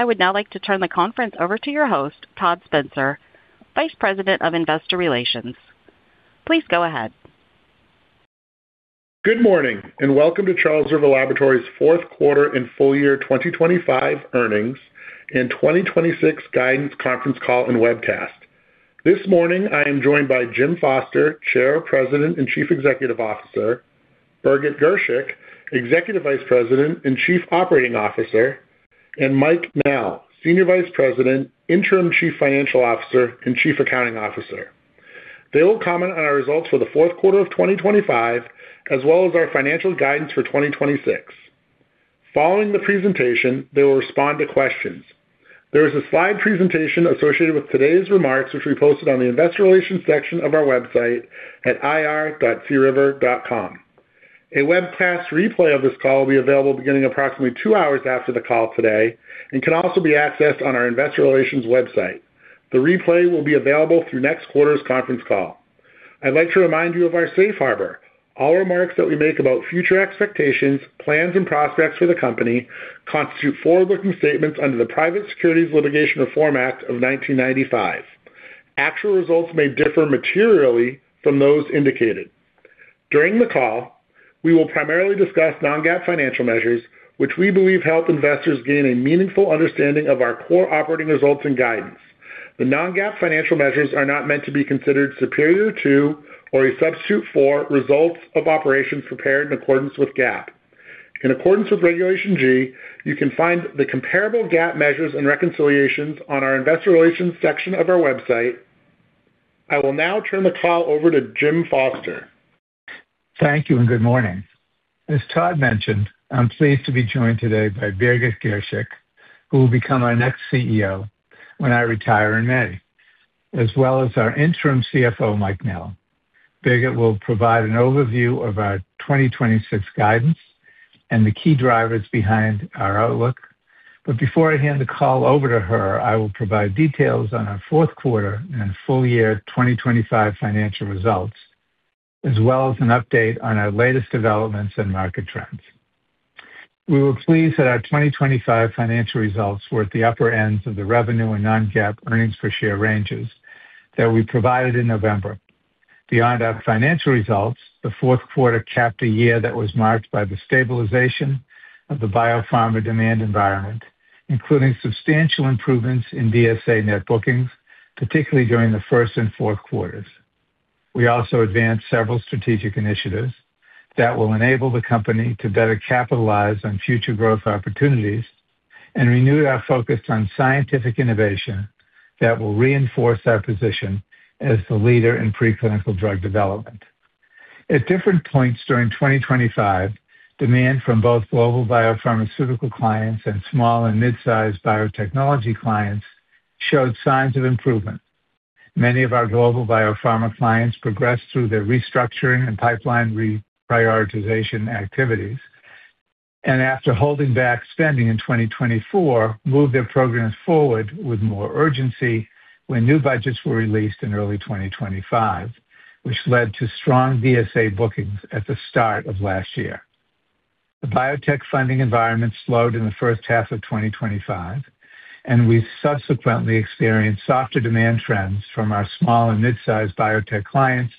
I would now like to turn the conference over to your host, Todd Spencer, Vice President of Investor Relations. Please go ahead. Good morning, and welcome to Charles River Laboratories' Q4 and full year 2025 earnings and 2026 guidance conference call and webcast. This morning, I am joined by Jim Foster, Chair, President, and Chief Executive Officer, Birgit Girshick, Executive Vice President and Chief Operating Officer, and Michael G. Knell, Senior Vice President, Interim Chief Financial Officer, and Chief Accounting Officer. They will comment on our results for the Q4 of 2025, as well as our financial guidance for 2026. Following the presentation, they will respond to questions. There is a slide presentation associated with today's remarks, which we posted on the investor relations section of our website at ir.criver.com. A webcast replay of this call will be available beginning about two hours after the call today and can also be accessed on our investor relations website. The replay will be available through next quarter's conference call. I'd like to remind you of our safe harbor. All remarks that we make about future expectations, plans, and prospects for the company constitute forward-looking statements under the Private Securities Litigation Reform Act of 1995. Actual results may differ materially from those indicated. During the call, we will primarily discuss non-GAAP financial measures, which we believe help investors gain a meaningful understanding of our core operating results and guidance. The non-GAAP financial measures are not meant to be considered superior to or a substitute for results of operations prepared in accordance with GAAP. In accordance with Regulation G, you can find the comparable GAAP measures and reconciliations on our investor relations section of our website. I will now turn the call over to Jim Foster. Thank you and good morning. As Todd mentioned, I'm pleased to be joined today by Birgit Girshick, who will become our next CEO when I retire in May, as well as our interim CFO, Mike Knell. Birgit will provide an overview of our 2026 guidance and the key drivers behind our outlook. Before I hand the call over to her, I will provide details on our Q4 and full year 2025 financial results, as well as an update on our latest developments and market trends. We were pleased that our 2025 financial results were at the upper ends of the revenue and non-GAAP earnings per share ranges that we provided in November. Beyond our financial results, the Q4 capped a year that was marked by the stabilization of the biopharma demand environment, including substantial improvements in DSA net bookings, particularly during the first and Q4. We also advanced several strategic initiatives that will enable the company to better capitalize on future growth opportunities and renewed our focus on scientific innovation that will reinforce our position as the leader in preclinical drug development. At different points during 2025, demand from both global biopharmaceutical clients and small and mid-sized biotechnology clients showed signs of improvement. Many of our global biopharma clients progressed through their restructuring and pipeline reprioritization activities, and after holding back spending in 2024, moved their programs forward with more urgency when new budgets were released in early 2025, which led to strong DSA bookings at the start of last year. The biotech funding environment slowed in the first half of 2025, and we subsequently experienced softer demand trends from our small and mid-sized biotech clients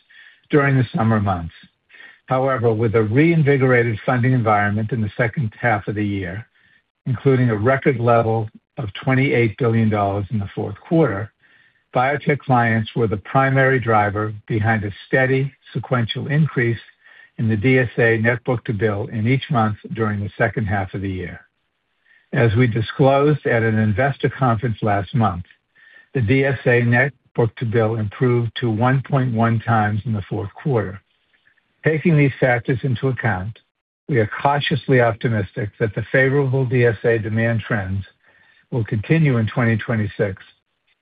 during the summer months. However, with a reinvigorated funding environment in the second half of the year, including a record level of $28 billion in the Q4, biotech clients were the primary driver behind a steady sequential increase in the DSA net book-to-bill in each month during the second half of the year. As we disclosed at an investor conference last month, the DSA net book-to-bill improved to 1.1 times in the Q4. Taking these factors into account, we are cautiously optimistic that the favorable DSA demand trends will continue in 2026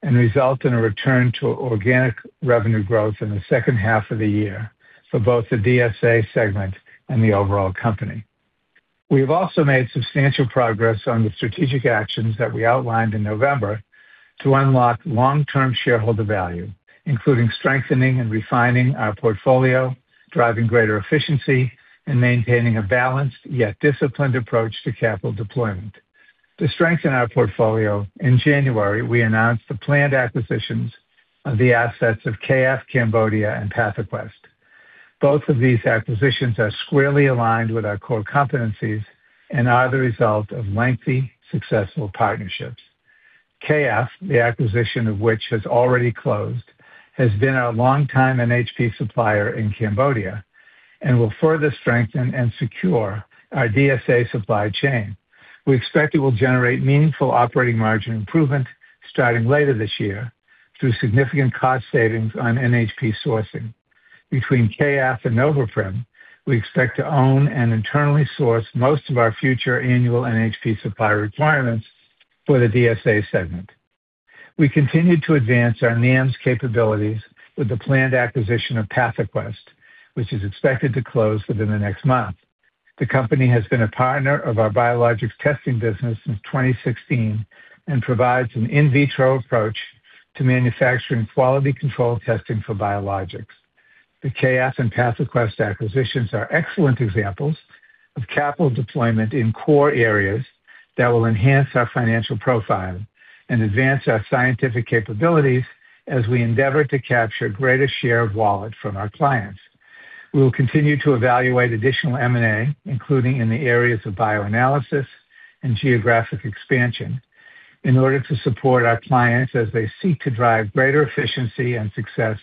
and result in a return to organic revenue growth in the second half of the year for both the DSA segment and the overall company. We have also made substantial progress on the strategic actions that we outlined in November to unlock long-term shareholder value, including strengthening and refining our portfolio, driving greater efficiency, and maintaining a balanced yet disciplined approach to capital deployment. To strengthen our portfolio, in January, we announced the planned acquisitions of the assets of K.F. Cambodia and PathoQuest. Both of these acquisitions are squarely aligned with our core competencies and are the result of lengthy, successful partnerships. K.F., the acquisition of which has already closed, has been a longtime NHP supplier in Cambodia and will further strengthen and secure our DSA supply chain. We expect it will generate meaningful operating margin improvement starting later this year through significant cost savings on NHP sourcing. Between K.F. and NovaPrim, we expect to own and internally source most of our future annual NHP supply requirements for the DSA segment. We continued to advance our NAMs capabilities with the planned acquisition of PathoQuest, which is expected to close within the next month. The company has been a partner of our biologics testing business since 2016 and provides an in vitro approach to manufacturing quality control testing for biologics.... The Celsis and PathoQuest acquisitions are excellent examples of capital deployment in core areas that will enhance our financial profile and advance our scientific capabilities as we endeavor to capture greater share of wallet from our clients. We will continue to evaluate additional M&A, including in the areas of bioanalysis and geographic expansion, in order to support our clients as they seek to drive greater efficiency and success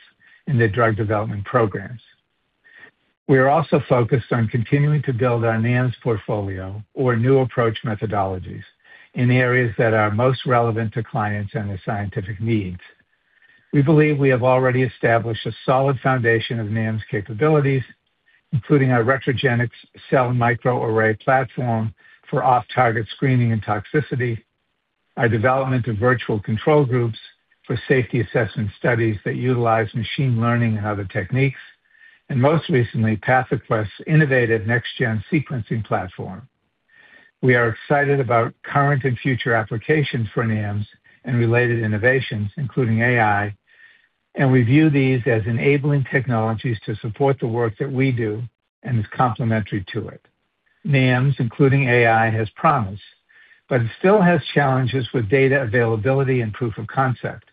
in their drug development programs. We are also focused on continuing to build our NAMs portfolio, or new approach methodologies, in the areas that are most relevant to clients and their scientific needs. We believe we have already established a solid foundation of NAMs capabilities, including our Retrogenix cell microarray platform for off-target screening and toxicity, our development of virtual control groups for safety assessment studies that utilize machine learning and other techniques, and most recently, PathoQuest's innovative next-gen sequencing platform. We are excited about current and future applications for NAMs and related innovations, including AI, and we view these as enabling technologies to support the work that we do and is complementary to it. NAMs, including AI, has promise, but it still has challenges with data availability and proof of concept,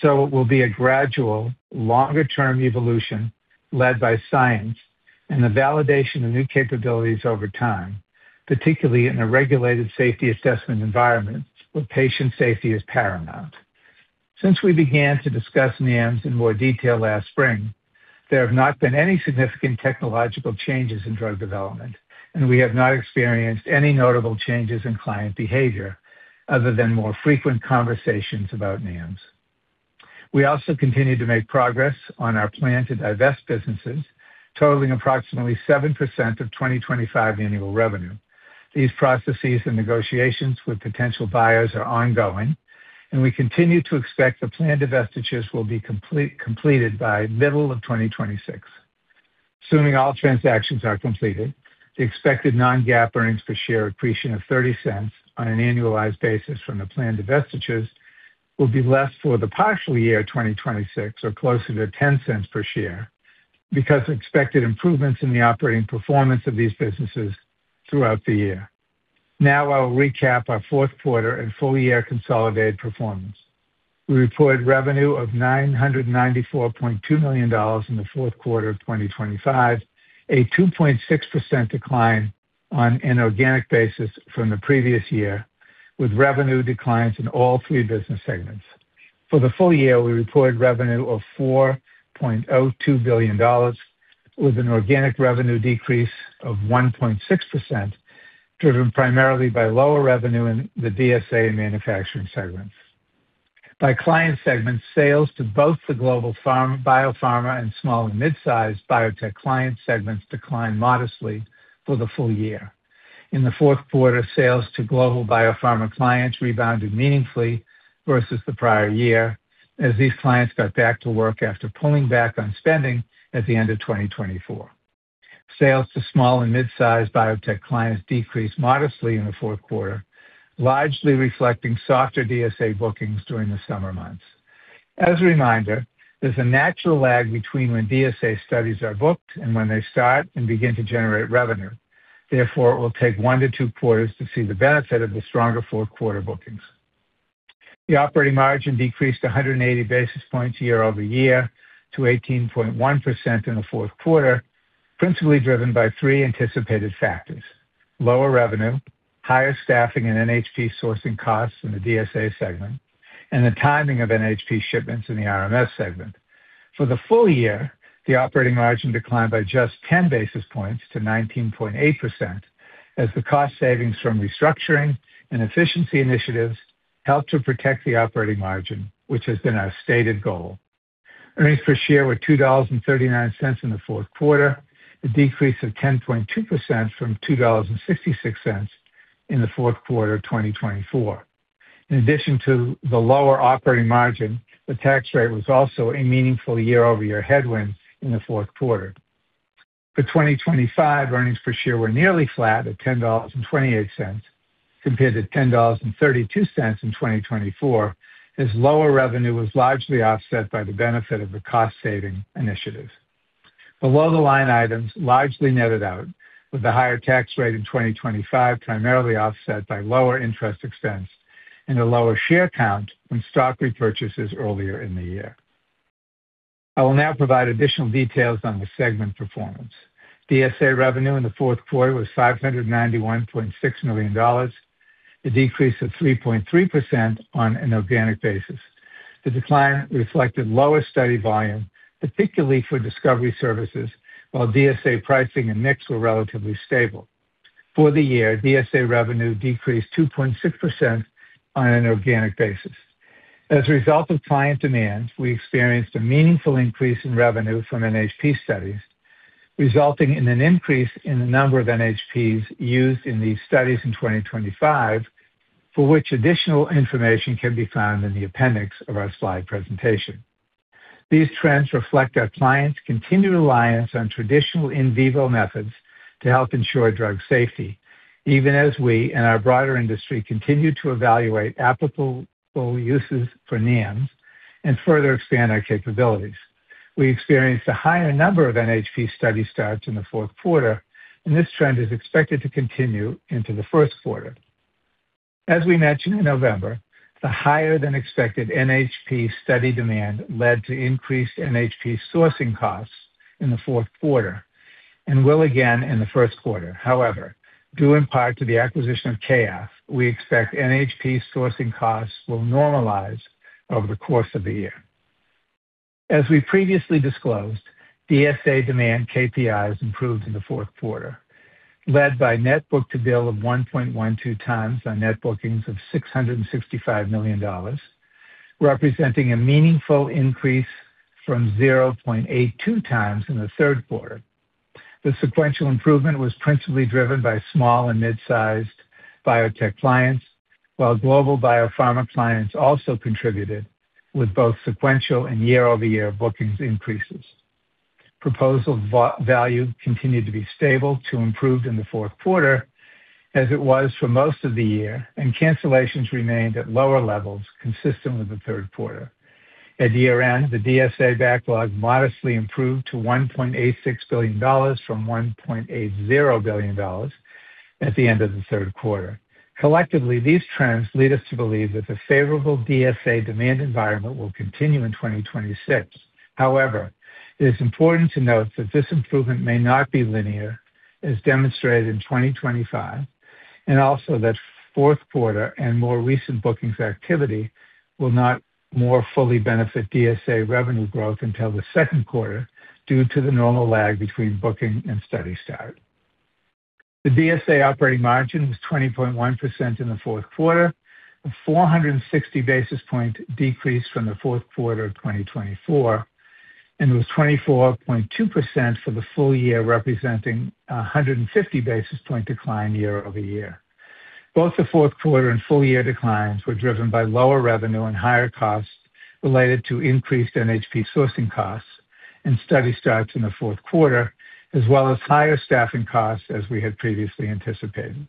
so it will be a gradual, longer-term evolution led by science and the validation of new capabilities over time, particularly in a regulated safety assessment environment where patient safety is paramount. Since we began to discuss NAMs in more detail last spring, there have not been any significant technological changes in drug development, and we have not experienced any notable changes in client behavior other than more frequent conversations about NAMs. We also continued to make progress on our plan to divest businesses, totaling approximately 7% of 2025 annual revenue. These processes and negotiations with potential buyers are ongoing, and we continue to expect the planned divestitures will be completed by middle of 2026. Assuming all transactions are completed, the expected Non-GAAP earnings per share accretion of $0.30 on an annualized basis from the planned divestitures will be less for the partial year, 2026, or closer to $0.10 per share, because expected improvements in the operating performance of these businesses throughout the year. Now I will recap our Q4 and full-year consolidated performance. We reported revenue of $994.2 million in the Q4 of 2025, a 2.6% decline on an organic basis from the previous year, with revenue declines in all three business segments. For the full year, we reported revenue of $4.02 billion, with an organic revenue decrease of 1.6%, driven primarily by lower revenue in the DSA and manufacturing segments. By client segment, sales to both the global pharma, biopharma, and small and mid-sized biotech client segments declined modestly for the full year. In the Q4, sales to global biopharma clients rebounded meaningfully versus the prior year, as these clients got back to work after pulling back on spending at the end of 2024. Sales to small and mid-sized biotech clients decreased modestly in the Q4, largely reflecting softer DSA bookings during the summer months. As a reminder, there's a natural lag between when DSA studies are booked and when they start and begin to generate revenue. Therefore, it will take Q1-Q2 to see the benefit of the stronger Q4 bookings. The operating margin decreased 100 basis points year-over-year to 18.1% in the Q4, principally driven by three anticipated factors: lower revenue, higher staffing, and NHP sourcing costs in the DSA segment, and the timing of NHP shipments in the RMS segment. For the full year, the operating margin declined by just 10 basis points to 19.8%, as the cost savings from restructuring and efficiency initiatives helped to protect the operating margin, which has been our stated goal. Earnings per share were $2.39 in the Q4, a decrease of 10.2% from $2.66 in the Q4 of 2024. In addition to the lower operating margin, the tax rate was also a meaningful year-over-year headwind in the Q4. For 2025, earnings per share were nearly flat at $10.28, compared to $10.32 in 2024, as lower revenue was largely offset by the benefit of the cost-saving initiatives. Below-the-line items largely netted out, with the higher tax rate in 2025 primarily offset by lower interest expense and a lower share count from stock repurchases earlier in the year. I will now provide additional details on the segment performance. DSA revenue in the Q4 was $591.6 million, a decrease of 3.3% on an organic basis. The decline reflected lower study volume, particularly for discovery services, while DSA pricing and mix were relatively stable. For the year, DSA revenue decreased 2.6% on an organic basis. As a result of client demand, we experienced a meaningful increase in revenue from NHP studies, resulting in an increase in the number of NHPs used in these studies in 2025, for which additional information can be found in the appendix of our slide presentation. These trends reflect our clients' continued reliance on traditional in vivo methods to help ensure drug safety, even as we and our broader industry continue to evaluate applicable uses for NAMs and further expand our capabilities. We experienced a higher number of NHP study starts in the Q4, and this trend is expected to continue into the Q1. As we mentioned in November, the higher-than-expected NHP study demand led to increased NHP sourcing costs in the Q4 and will again in the Q1. However, due in part to the acquisition of K.F., we expect NHP sourcing costs will normalize over the course of the year. As we previously disclosed, DSA demand KPIs improved in the Q4, led by net book-to-bill of 1.12 times on net bookings of $665 million, representing a meaningful increase from 0.82 times in the Q3. The sequential improvement was principally driven by small and mid-sized biotech clients, while global biopharma clients also contributed with both sequential and year-over-year bookings increases. Proposal value continued to be stable to improved in the Q4, as it was for most of the year, and cancellations remained at lower levels, consistent with the Q3. At year-end, the DSA backlog modestly improved to $1.86 billion from $1.80 billion at the end of the Q3. Collectively, these trends lead us to believe that the favorable DSA demand environment will continue in 2026. However, it is important to note that this improvement may not be linear, as demonstrated in 2025, and also that Q4 and more recent bookings activity will not more fully benefit DSA revenue growth until the Q2, due to the normal lag between booking and study start. The DSA operating margin was 20.1% in the Q4, a 460 basis point decrease from the Q4 of 2024, and it was 24.2% for the full year, representing a 150 basis point decline year-over-year. Both the Q4 and full year declines were driven by lower revenue and higher costs related to increased NHP sourcing costs and study starts in the Q4, as well as higher staffing costs, as we had previously anticipated.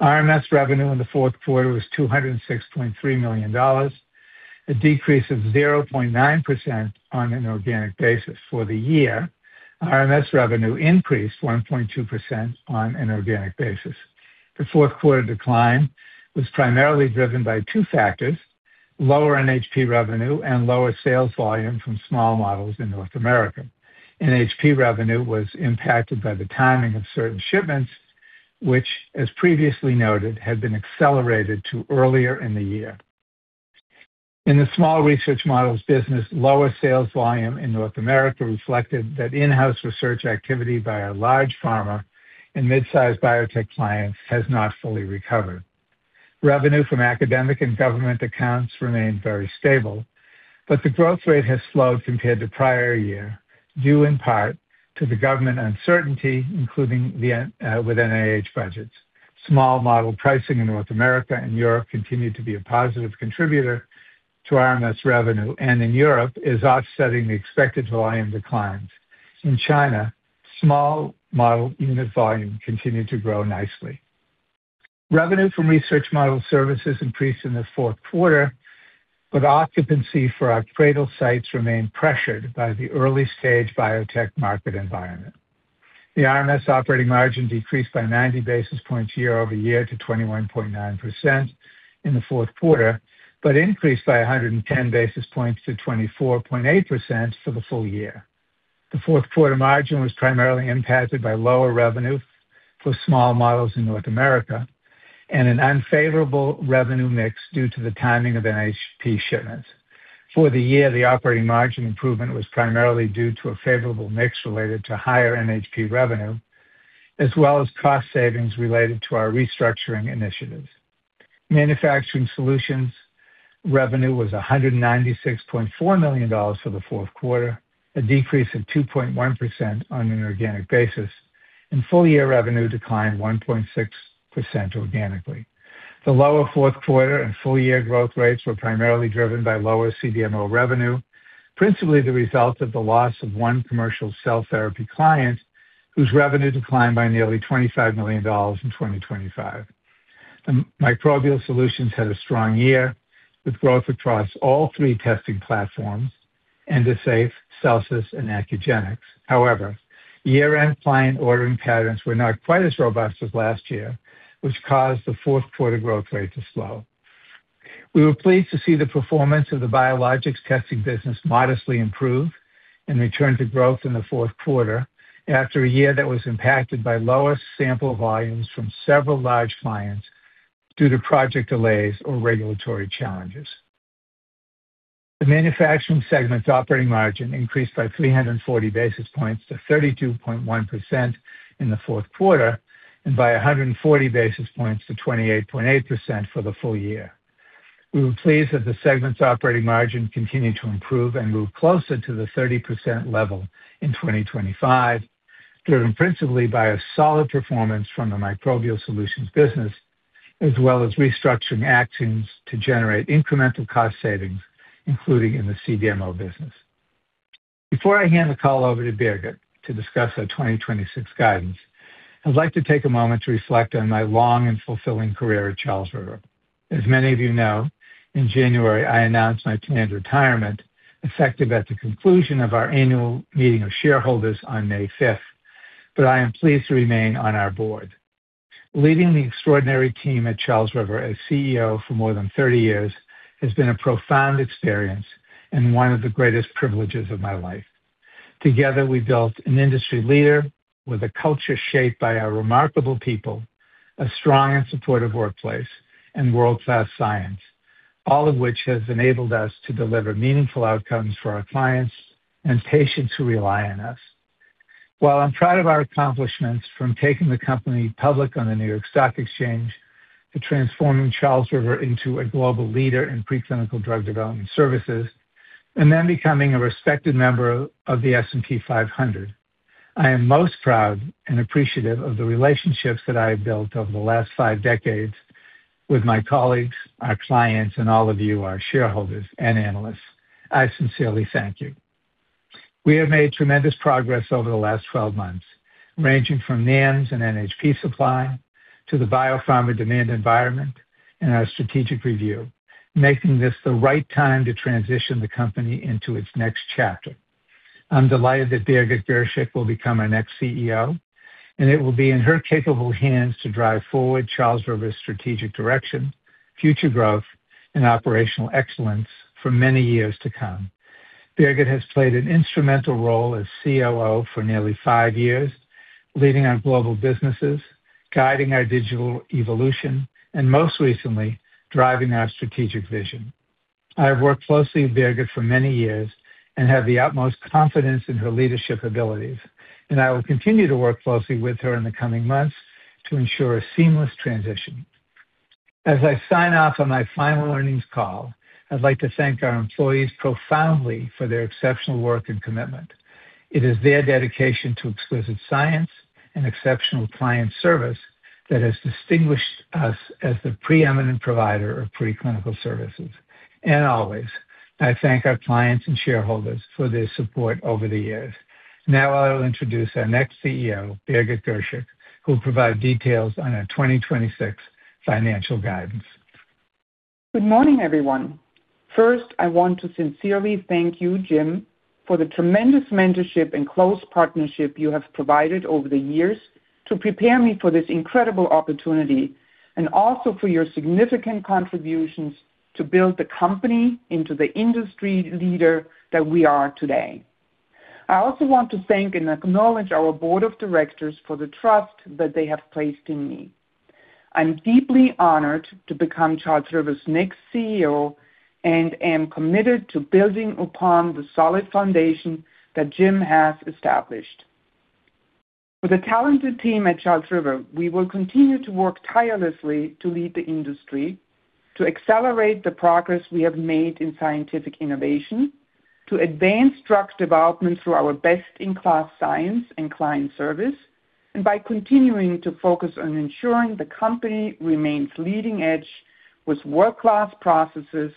RMS revenue in the Q4 was $206.3 million, a decrease of 0.9% on an organic basis. For the year, RMS revenue increased 1.2% on an organic basis. The Q4 decline was primarily driven by two factors: lower NHP revenue and lower sales volume from small models in North America. NHP revenue was impacted by the timing of certain shipments, which, as previously noted, had been accelerated to earlier in the year. In the small research models business, lower sales volume in North America reflected that in-house research activity by our large pharma and mid-sized biotech clients has not fully recovered. Revenue from academic and government accounts remained very stable, but the growth rate has slowed compared to prior year, due in part to the government uncertainty, including with NIH budgets. Small model pricing in North America and Europe continued to be a positive contributor to RMS revenue, and in Europe is offsetting the expected volume declines. In China, small model unit volume continued to grow nicely. Revenue from research model services increased in the Q4, but occupancy for our cradle sites remained pressured by the early-stage biotech market environment. The RMS operating margin decreased by 90 basis points year-over-year to 21.9% in the Q4, but increased by 110 basis points to 24.8% for the full year. The Q4 margin was primarily impacted by lower revenue for small models in North America and an unfavorable revenue mix due to the timing of NHP shipments. For the year, the operating margin improvement was primarily due to a favorable mix related to higher NHP revenue, as well as cost savings related to our restructuring initiatives. Manufacturing solutions revenue was $196.4 million for the Q4, a decrease of 2.1% on an organic basis, and full year revenue declined 1.6% organically. The lower Q4 and full year growth rates were primarily driven by lower CDMO revenue, principally the result of the loss of one commercial cell therapy client, whose revenue declined by nearly $25 million in 2025. The microbial solutions had a strong year, with growth across all three testing platforms: Endosafe, Celsis and Accugenix. However, year-end client ordering patterns were not quite as robust as last year, which caused the Q4 growth rate to slow. We were pleased to see the performance of the biologics testing business modestly improve and return to growth in the Q4 after a year that was impacted by lower sample volumes from several large clients due to project delays or regulatory challenges. The manufacturing segment's operating margin increased by 340 basis points to 32.1% in the Q4, and by 140 basis points to 28.8% for the full year. We were pleased that the segment's operating margin continued to improve and move closer to the 30% level in 2025, driven principally by a solid performance from the microbial solutions business.... as well as restructuring actions to generate incremental cost savings, including in the CDMO business. Before I hand the call over to Birgit to discuss our 2026 guidance, I'd like to take a moment to reflect on my long and fulfilling career at Charles River. As many of, in January, I announced my planned retirement, effective at the conclusion of our annual meeting of shareholders on May 5, but I am pleased to remain on our board. Leading the extraordinary team at Charles River as CEO for more than 30 years has been a profound experience and one of the greatest privileges of my life. Together, we built an industry leader with a culture shaped by our remarkable people, a strong and supportive workplace, and world-class science, all of which has enabled us to deliver meaningful outcomes for our clients and patients who rely on us. While I'm proud of our accomplishments, from taking the company public on the New York Stock Exchange to transforming Charles River into a global leader in preclinical drug development services, and then becoming a respected member of the S&P 500, I am most proud and appreciative of the relationships that I have built over the last five decades with my colleagues, our clients, and all of you, our shareholders and analysts. I sincerely thank you. We have made tremendous progress over the last 12 months, ranging from NAMs and NHP supply to the biopharma demand environment and our strategic review, making this the right time to transition the company into its next chapter. I'm delighted that Birgit Girshick will become our next CEO, and it will be in her capable hands to drive forward Charles River's strategic direction, future growth, and operational excellence for many years to come. Birgit has played an instrumental role as COO for nearly five years, leading our global businesses, guiding our digital evolution, and most recently, driving our strategic vision. I have worked closely with Birgit for many years and have the utmost confidence in her leadership abilities, and I will continue to work closely with her in the coming months to ensure a seamless transition. As I sign off on my final earnings call, I'd like to thank our employees profoundly for their exceptional work and commitment. It is their dedication to exquisite science and exceptional client service that has distinguished us as the preeminent provider of preclinical services. And always, I thank our clients and shareholders for their support over the years. Now I will introduce our next CEO, Birgit Girshick, who will provide details on our 2026 financial guidance. Good morning, everyone. First, I want to sincerely thank you, Jim, for the tremendous mentorship and close partnership you have provided over the years to prepare me for this incredible opportunity, and also for your significant contributions to build the company into the industry leader that we are today. I also want to thank and acknowledge our board of directors for the trust that they have placed in me. I'm deeply honored to become Charles River's next CEO and am committed to building upon the solid foundation that Jim has established. With the talented team at Charles River, we will continue to work tirelessly to lead the industry, to accelerate the progress we have made in scientific innovation, to advance drug development through our best-in-class science and client service, and by continuing to focus on ensuring the company remains leading edge with world-class processes,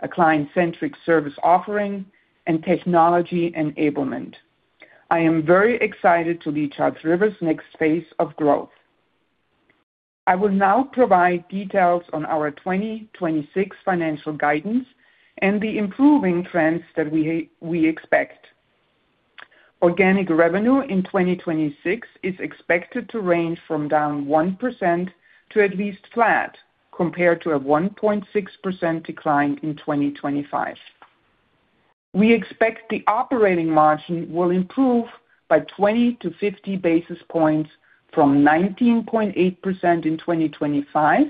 a client-centric service offering, and technology enablement. I am very excited to lead Charles River's next phase of growth. I will now provide details on our 2026 financial guidance and the improving trends that we expect. Organic revenue in 2026 is expected to range from down 1% to at least flat, compared to a 1.6% decline in 2025. We expect the operating margin will improve by 20-50 basis points from 19.8% in 2025,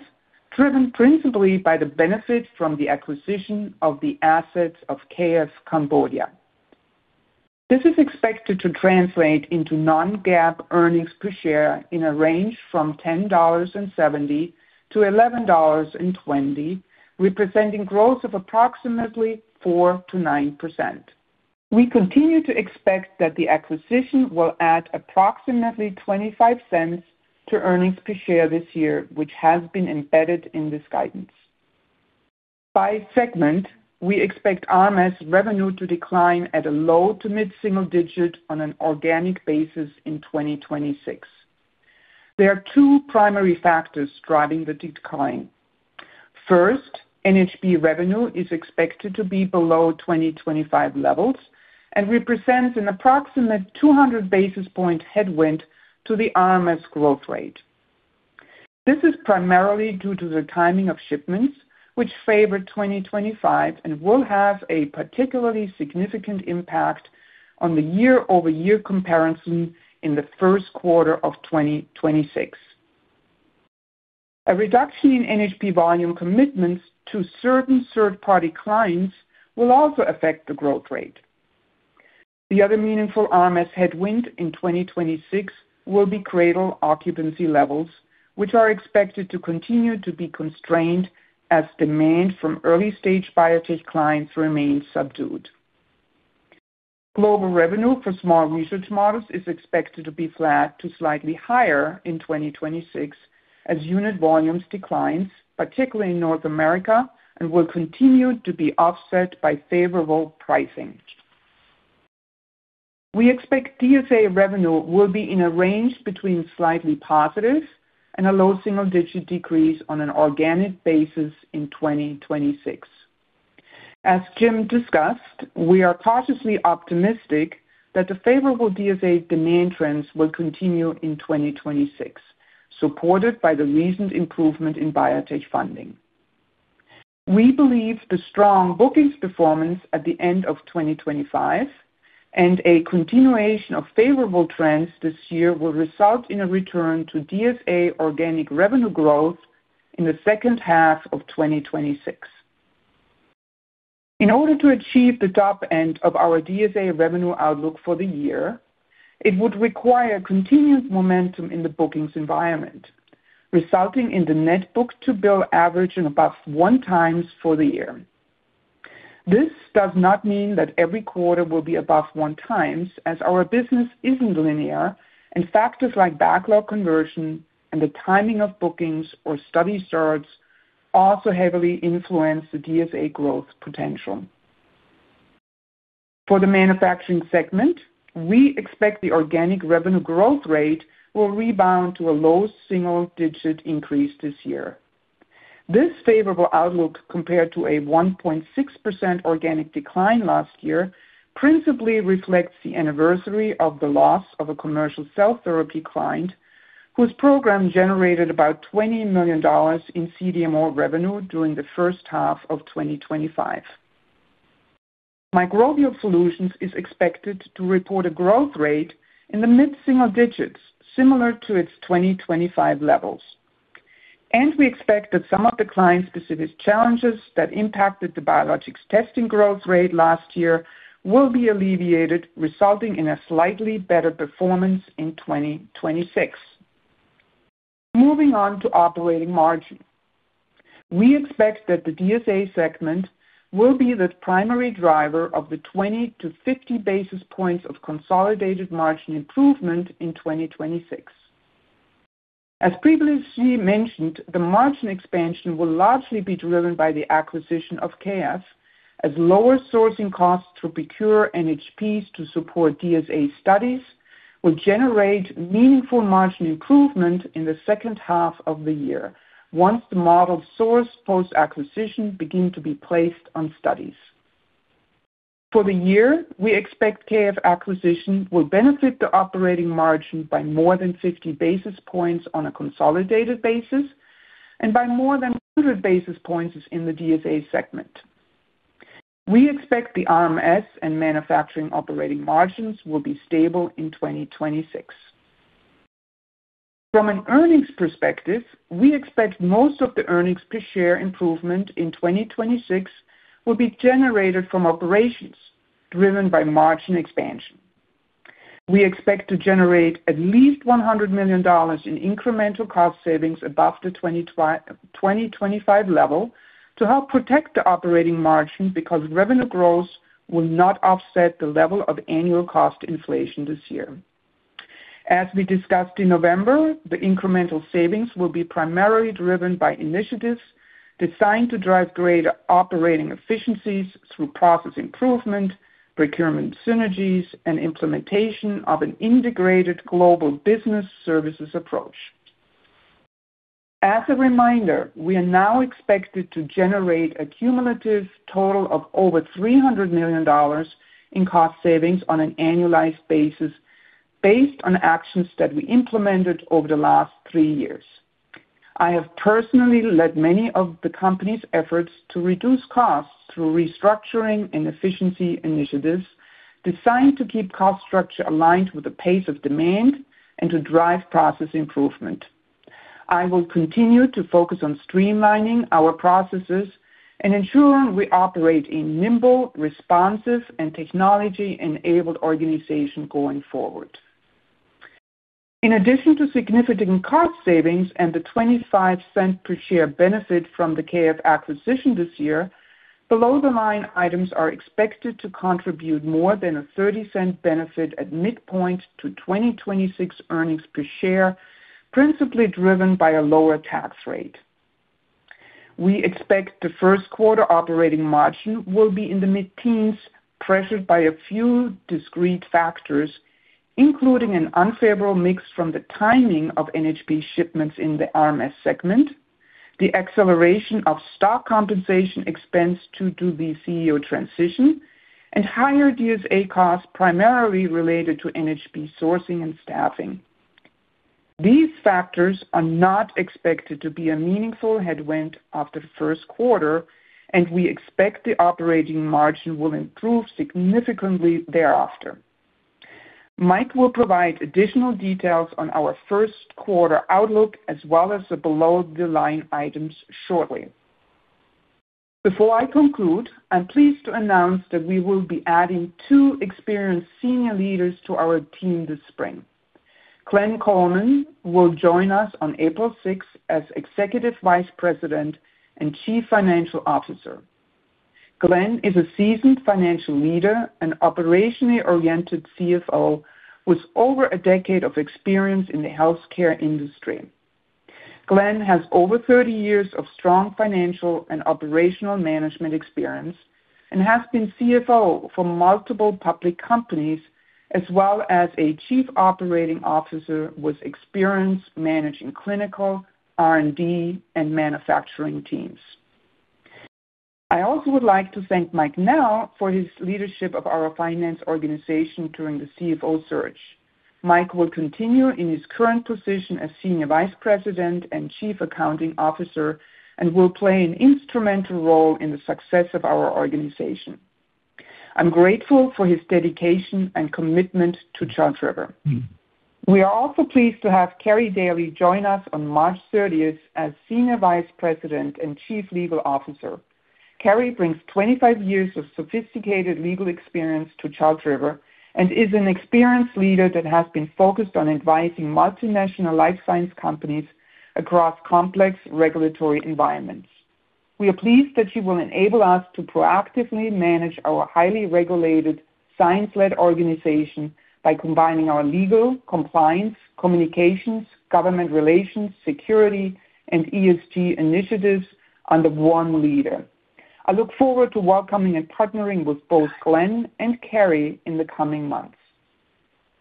driven principally by the benefit from the acquisition of the assets of K.F. Cambodia. This is expected to translate into non-GAAP earnings per share in a range from $10.70-$11.20, representing growth of approximately 4%-9%. We continue to expect that the acquisition will add approximately $0.25 to earnings per share this year, which has been embedded in this guidance. By segment, we expect RMS revenue to decline at a low- to mid-single-digit on an organic basis in 2026. There are two primary factors driving the decline. First, NHP revenue is expected to be below 2025 levels and represents an approximate 200 basis point headwind to the RMS growth rate. This is primarily due to the timing of shipments, which favored 2025 and will have a particularly significant impact on the year-over-year comparison in the Q1 of 2026. A reduction in NHP volume commitments to certain third-party clients will also affect the growth rate. The other meaningful RMS headwind in 2026 will be cradle occupancy levels, which are expected to continue to be constrained as demand from early-stage biotech clients remains subdued.... Global revenue for small research models is expected to be flat to slightly higher in 2026 as unit volumes declines, particularly in North America, and will continue to be offset by favorable pricing. We expect DSA revenue will be in a range between slightly positive and a low single-digit decrease on an organic basis in 2026. As Jim discussed, we are cautiously optimistic that the favorable DSA demand trends will continue in 2026, supported by the recent improvement in biotech funding. We believe the strong bookings performance at the end of 2025 and a continuation of favorable trends this year will result in a return to DSA organic revenue growth in the second half of 2026. In order to achieve the top end of our DSA revenue outlook for the year, it would require continuous momentum in the bookings environment, resulting in the Net Book-to-Bill average and above 1x for the year. This does not mean that every quarter will be above 1x, as our business isn't linear, and factors like backlog conversion and the timing of bookings or study starts also heavily influence the DSA growth potential. For the manufacturing segment, we expect the organic revenue growth rate will rebound to a low single-digit increase this year. This favorable outlook, compared to a 1.6% organic decline last year, principally reflects the anniversary of the loss of a commercial cell therapy client, whose program generated about $20 million in CDMO revenue during the first half of 2025. Microbial Solutions is expected to report a growth rate in the mid-single digits, similar to its 2025 levels. And we expect that some of the client-specific challenges that impacted the biologics testing growth rate last year will be alleviated, resulting in a slightly better performance in 2026. Moving on to operating margin. We expect that the DSA segment will be the primary driver of the 20-50 basis points of consolidated margin improvement in 2026. As previously mentioned, the margin expansion will largely be driven by the acquisition of KF, as lower sourcing costs to procure NHPs to support DSA studies will generate meaningful margin improvement in the second half of the year, once the modeled source post-acquisition begin to be placed on studies. For the year, we expect KF acquisition will benefit the operating margin by more than 50 basis points on a consolidated basis and by more than 100 basis points in the DSA segment. We expect the RMS and manufacturing operating margins will be stable in 2026. From an earnings perspective, we expect most of the earnings per share improvement in 2026 will be generated from operations driven by margin expansion. We expect to generate at least $100 million in incremental cost savings above the 2025 level to help protect the operating margin, because revenue growth will not offset the level of annual cost inflation this year. As we discussed in November, the incremental savings will be primarily driven by initiatives designed to drive greater operating efficiencies through process improvement, procurement synergies, and implementation of an integrated global business services approach. As a reminder, we are now expected to generate a cumulative total of over $300 million in cost savings on an annualized basis, based on actions that we implemented over the last three years. I have personally led many of the company's efforts to reduce costs through restructuring and efficiency initiatives designed to keep cost structure aligned with the pace of demand and to drive process improvement. I will continue to focus on streamlining our processes and ensuring we operate a nimble, responsive, and technology-enabled organization going forward. In addition to significant cost savings and the $0.25 per share benefit from the KF acquisition this year, below-the-line items are expected to contribute more than a $0.30 benefit at midpoint to 2026 earnings per share, principally driven by a lower tax rate. We expect the Q1 operating margin will be in the mid-teens, pressured by a few discrete factors, including an unfavorable mix from the timing of NHP shipments in the RMS segment, the acceleration of stock compensation expense due to the CEO transition, and higher DSA costs, primarily related to NHP sourcing and staffing. These factors are not expected to be a meaningful headwind after the Q1, and we expect the operating margin will improve significantly thereafter. Mike will provide additional details on our Q1 outlook, as well as the below-the-line items shortly. Before I conclude, I'm pleased to announce that we will be adding two experienced senior leaders to our team this spring. Glenn Coleman will join us on April 6 as Executive Vice President and Chief Financial Officer. Glenn is a seasoned financial leader and operationally oriented CFO with over a decade of experience in the healthcare industry. Glenn has over 30 years of strong financial and operational management experience and has been CFO for multiple public companies, as well as a Chief Operating Officer with experience managing clinical, R&D, and manufacturing teams. I also would like to thank Mike Knell for his leadership of our finance organization during the CFO search. Mike will continue in his current position as Senior Vice President and Chief Accounting Officer, and will play an instrumental role in the success of our organization. I'm grateful for his dedication and commitment to Charles River. We are also pleased to have Carrie Daly join us on March thirtieth as Senior Vice President and Chief Legal Officer. Carrie brings 25 years of sophisticated legal experience to Charles River and is an experienced leader that has been focused on advising multinational life science companies across complex regulatory environments. We are pleased that she will enable us to proactively manage our highly regulated, science-led organization by combining our legal, compliance, communications, government relations, security, and ESG initiatives under one leader. I look forward to welcoming and partnering with both Glenn and Carrie in the coming months.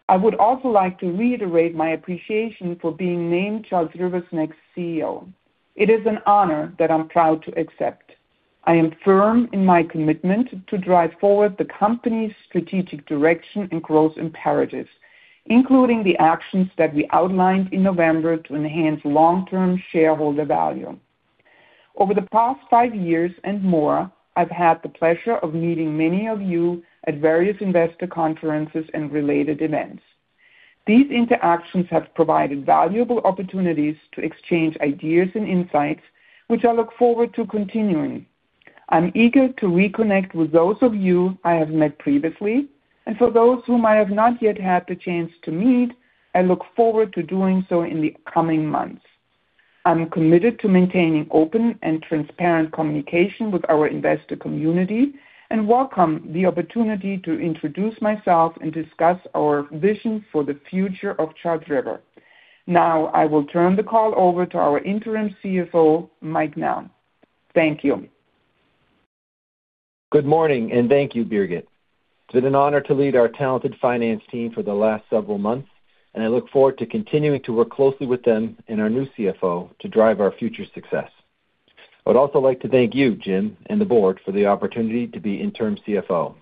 I would also like to reiterate my appreciation for being named Charles River's next CEO. It is an honor that I'm proud to accept. I am firm in my commitment to drive forward the company's strategic direction and growth imperatives, including the actions that we outlined in November to enhance long-term shareholder value. Over the past five years and more, I've had the pleasure of meeting many of you at various investor conferences and related events. These interactions have provided valuable opportunities to exchange ideas and insights, which I look forward to continuing. I'm eager to reconnect with those of you I have met previously, and for those whom I have not yet had the chance to meet, I look forward to doing so in the coming months. I'm committed to maintaining open and transparent communication with our investor community and welcome the opportunity to introduce myself and discuss our vision for the future of Charles River. Now, I will turn the call over to our interim CFO, Mike Knell. Thank you. Good morning, and thank you, Birgit. It's been an honor to lead our talented finance team for the last several months, and I look forward to continuing to work closely with them and our new CFO to drive our future success. I would also like to thank you, Jim, and the board for the opportunity to be interim CFO.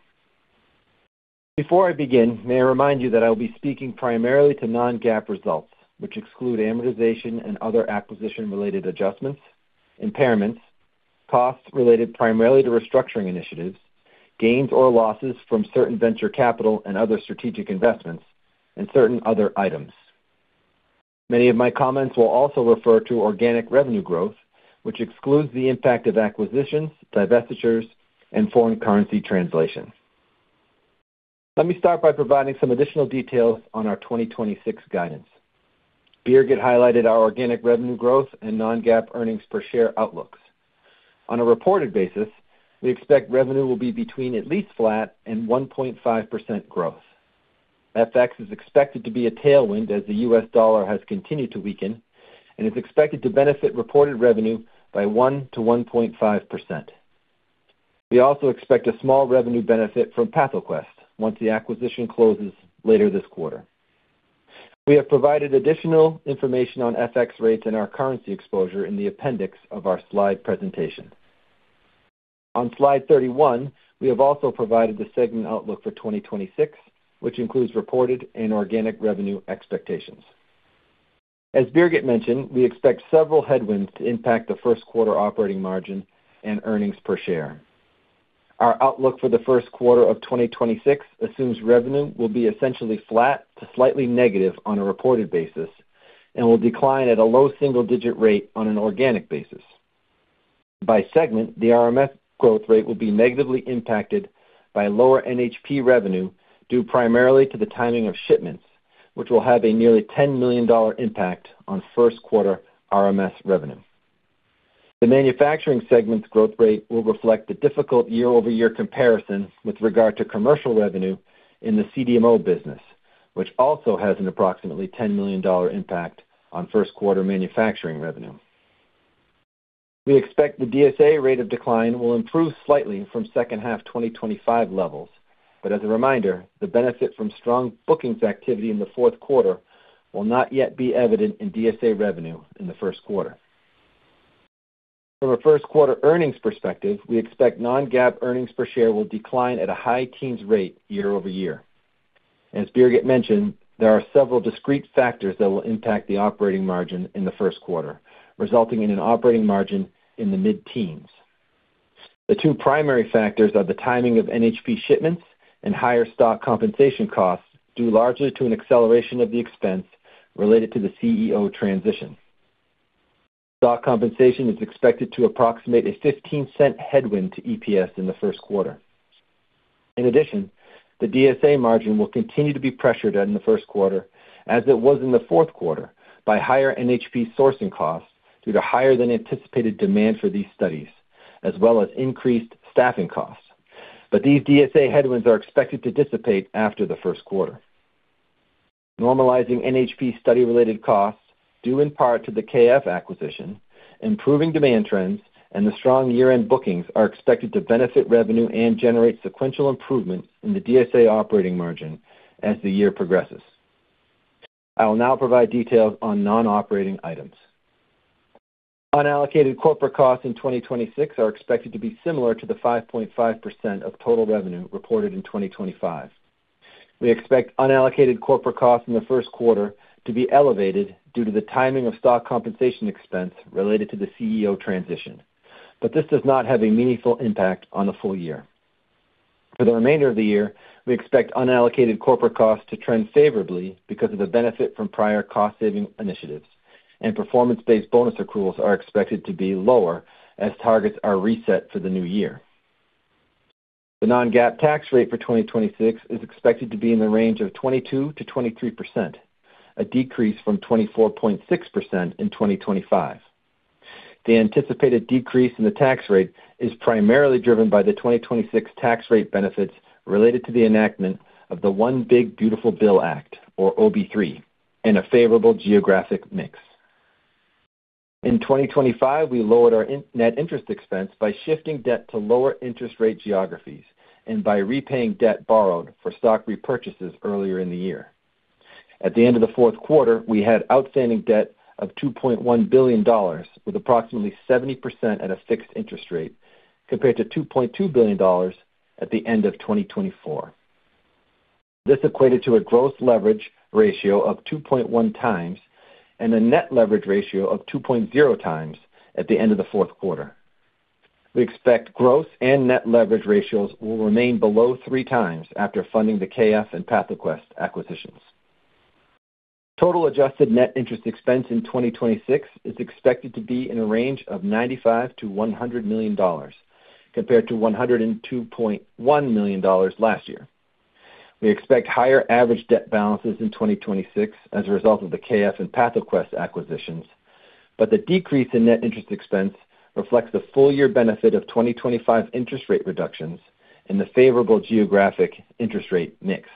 Before I begin, may I remind you that I'll be speaking primarily to non-GAAP results, which exclude amortization and other acquisition-related adjustments, impairments, costs related primarily to restructuring initiatives, gains or losses from certain venture capital and other strategic investments, and certain other items. Many of my comments will also refer to organic revenue growth, which excludes the impact of acquisitions, divestitures, and foreign currency translation. Let me start by providing some additional details on our 2026 guidance. Birgit highlighted our organic revenue growth and non-GAAP earnings per share outlooks. On a reported basis, we expect revenue will be between at least flat and 1.5% growth. FX is expected to be a tailwind as the US dollar has continued to weaken and is expected to benefit reported revenue by 1-1.5%. We also expect a small revenue benefit from PathoQuest once the acquisition closes later this quarter. We have provided additional information on FX rates and our currency exposure in the appendix of our slide presentation. On slide 31, we have also provided the segment outlook for 2026, which includes reported and organic revenue expectations. As Birgit mentioned, we expect several headwinds to impact the Q1 operating margin and earnings per share. Our outlook for the Q1 of 2026 assumes revenue will be essentially flat to slightly negative on a reported basis and will decline at a low single-digit rate on an organic basis. By segment, the RMS growth rate will be negatively impacted by lower NHP revenue due primarily to the timing of shipments, which will have a nearly $10 million impact on Q1 RMS revenue. The manufacturing segment's growth rate will reflect the difficult year-over-year comparison with regard to commercial revenue in the CDMO business, which also has an approximately $10 million impact on Q1 manufacturing revenue. We expect the DSA rate of decline will improve slightly from second half 2025 levels, but as a reminder, the benefit from strong bookings activity in the Q4 will not yet be evident in DSA revenue in the Q1. From a Q1 earnings perspective, we expect non-GAAP earnings per share will decline at a high-teens rate year-over-year. As Birgit mentioned, there are several discrete factors that will impact the operating margin in the Q1, resulting in an operating margin in the mid-teens. The two primary factors are the timing of NHP shipments and higher stock compensation costs, due largely to an acceleration of the expense related to the CEO transition. Stock compensation is expected to approximate a $0.15 headwind to EPS in the Q1. In addition, the DSA margin will continue to be pressured in the Q1, as it was in the Q4, by higher NHP sourcing costs due to higher than anticipated demand for these studies, as well as increased staffing costs. But these DSA headwinds are expected to dissipate after the Q1. Normalizing NHP study-related costs, due in part to the KF acquisition, improving demand trends and the strong year-end bookings are expected to benefit revenue and generate sequential improvement in the DSA operating margin as the year progresses. I will now provide details on non-operating items. Unallocated corporate costs in 2026 are expected to be similar to the 5.5% of total revenue reported in 2025. We expect unallocated corporate costs in the Q1 to be elevated due to the timing of stock compensation expense related to the CEO transition, but this does not have a meaningful impact on the full year. For the remainder of the year, we expect unallocated corporate costs to trend favorably because of the benefit from prior cost-saving initiatives, and performance-based bonus accruals are expected to be lower as targets are reset for the new year. The Non-GAAP tax rate for 2026 is expected to be in the range of 22%-23%, a decrease from 24.6% in 2025. The anticipated decrease in the tax rate is primarily driven by the 2026 tax rate benefits related to the enactment of the One Big Beautiful Bill Act, or OB3, and a favorable geographic mix. In 2025, we lowered our net interest expense by shifting debt to lower interest rate geographies and by repaying debt borrowed for stock repurchases earlier in the year. At the end of the Q4, we had outstanding debt of $2.1 billion, with approximately 70% at a fixed interest rate, compared to $2.2 billion at the end of 2024. This equated to a gross leverage ratio of 2.1 times and a net leverage ratio of 2.0 times at the end of the Q4. We expect gross and net leverage ratios will remain below 3 times after funding the KF and PathoQuest acquisitions. Total adjusted net interest expense in 2026 is expected to be in a range of $95 million-$100 million, compared to $102.1 million last year. We expect higher average debt balances in 2026 as a result of the KF and PathoQuest acquisitions, but the decrease in net interest expense reflects the full year benefit of 2025 interest rate reductions and the favorable geographic interest rate mix.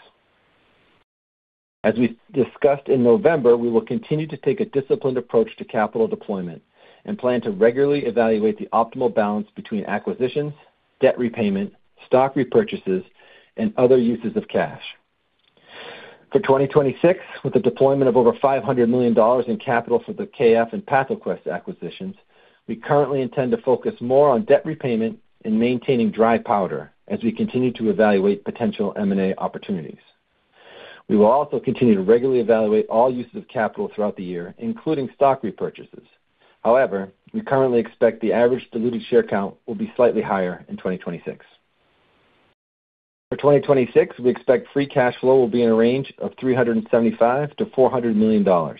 As we discussed in November, we will continue to take a disciplined approach to capital deployment and plan to regularly evaluate the optimal balance between acquisitions, debt repayment, stock repurchases, and other uses of cash. For 2026, with the deployment of over $500 million in capital for the KF and PathoQuest acquisitions, we currently intend to focus more on debt repayment and maintaining dry powder as we continue to evaluate potential M&A opportunities. We will also continue to regularly evaluate all uses of capital throughout the year, including stock repurchases. However, we currently expect the average diluted share count will be slightly higher in 2026. For 2026, we expect free cash flow will be in a range of $375 million-$400 million,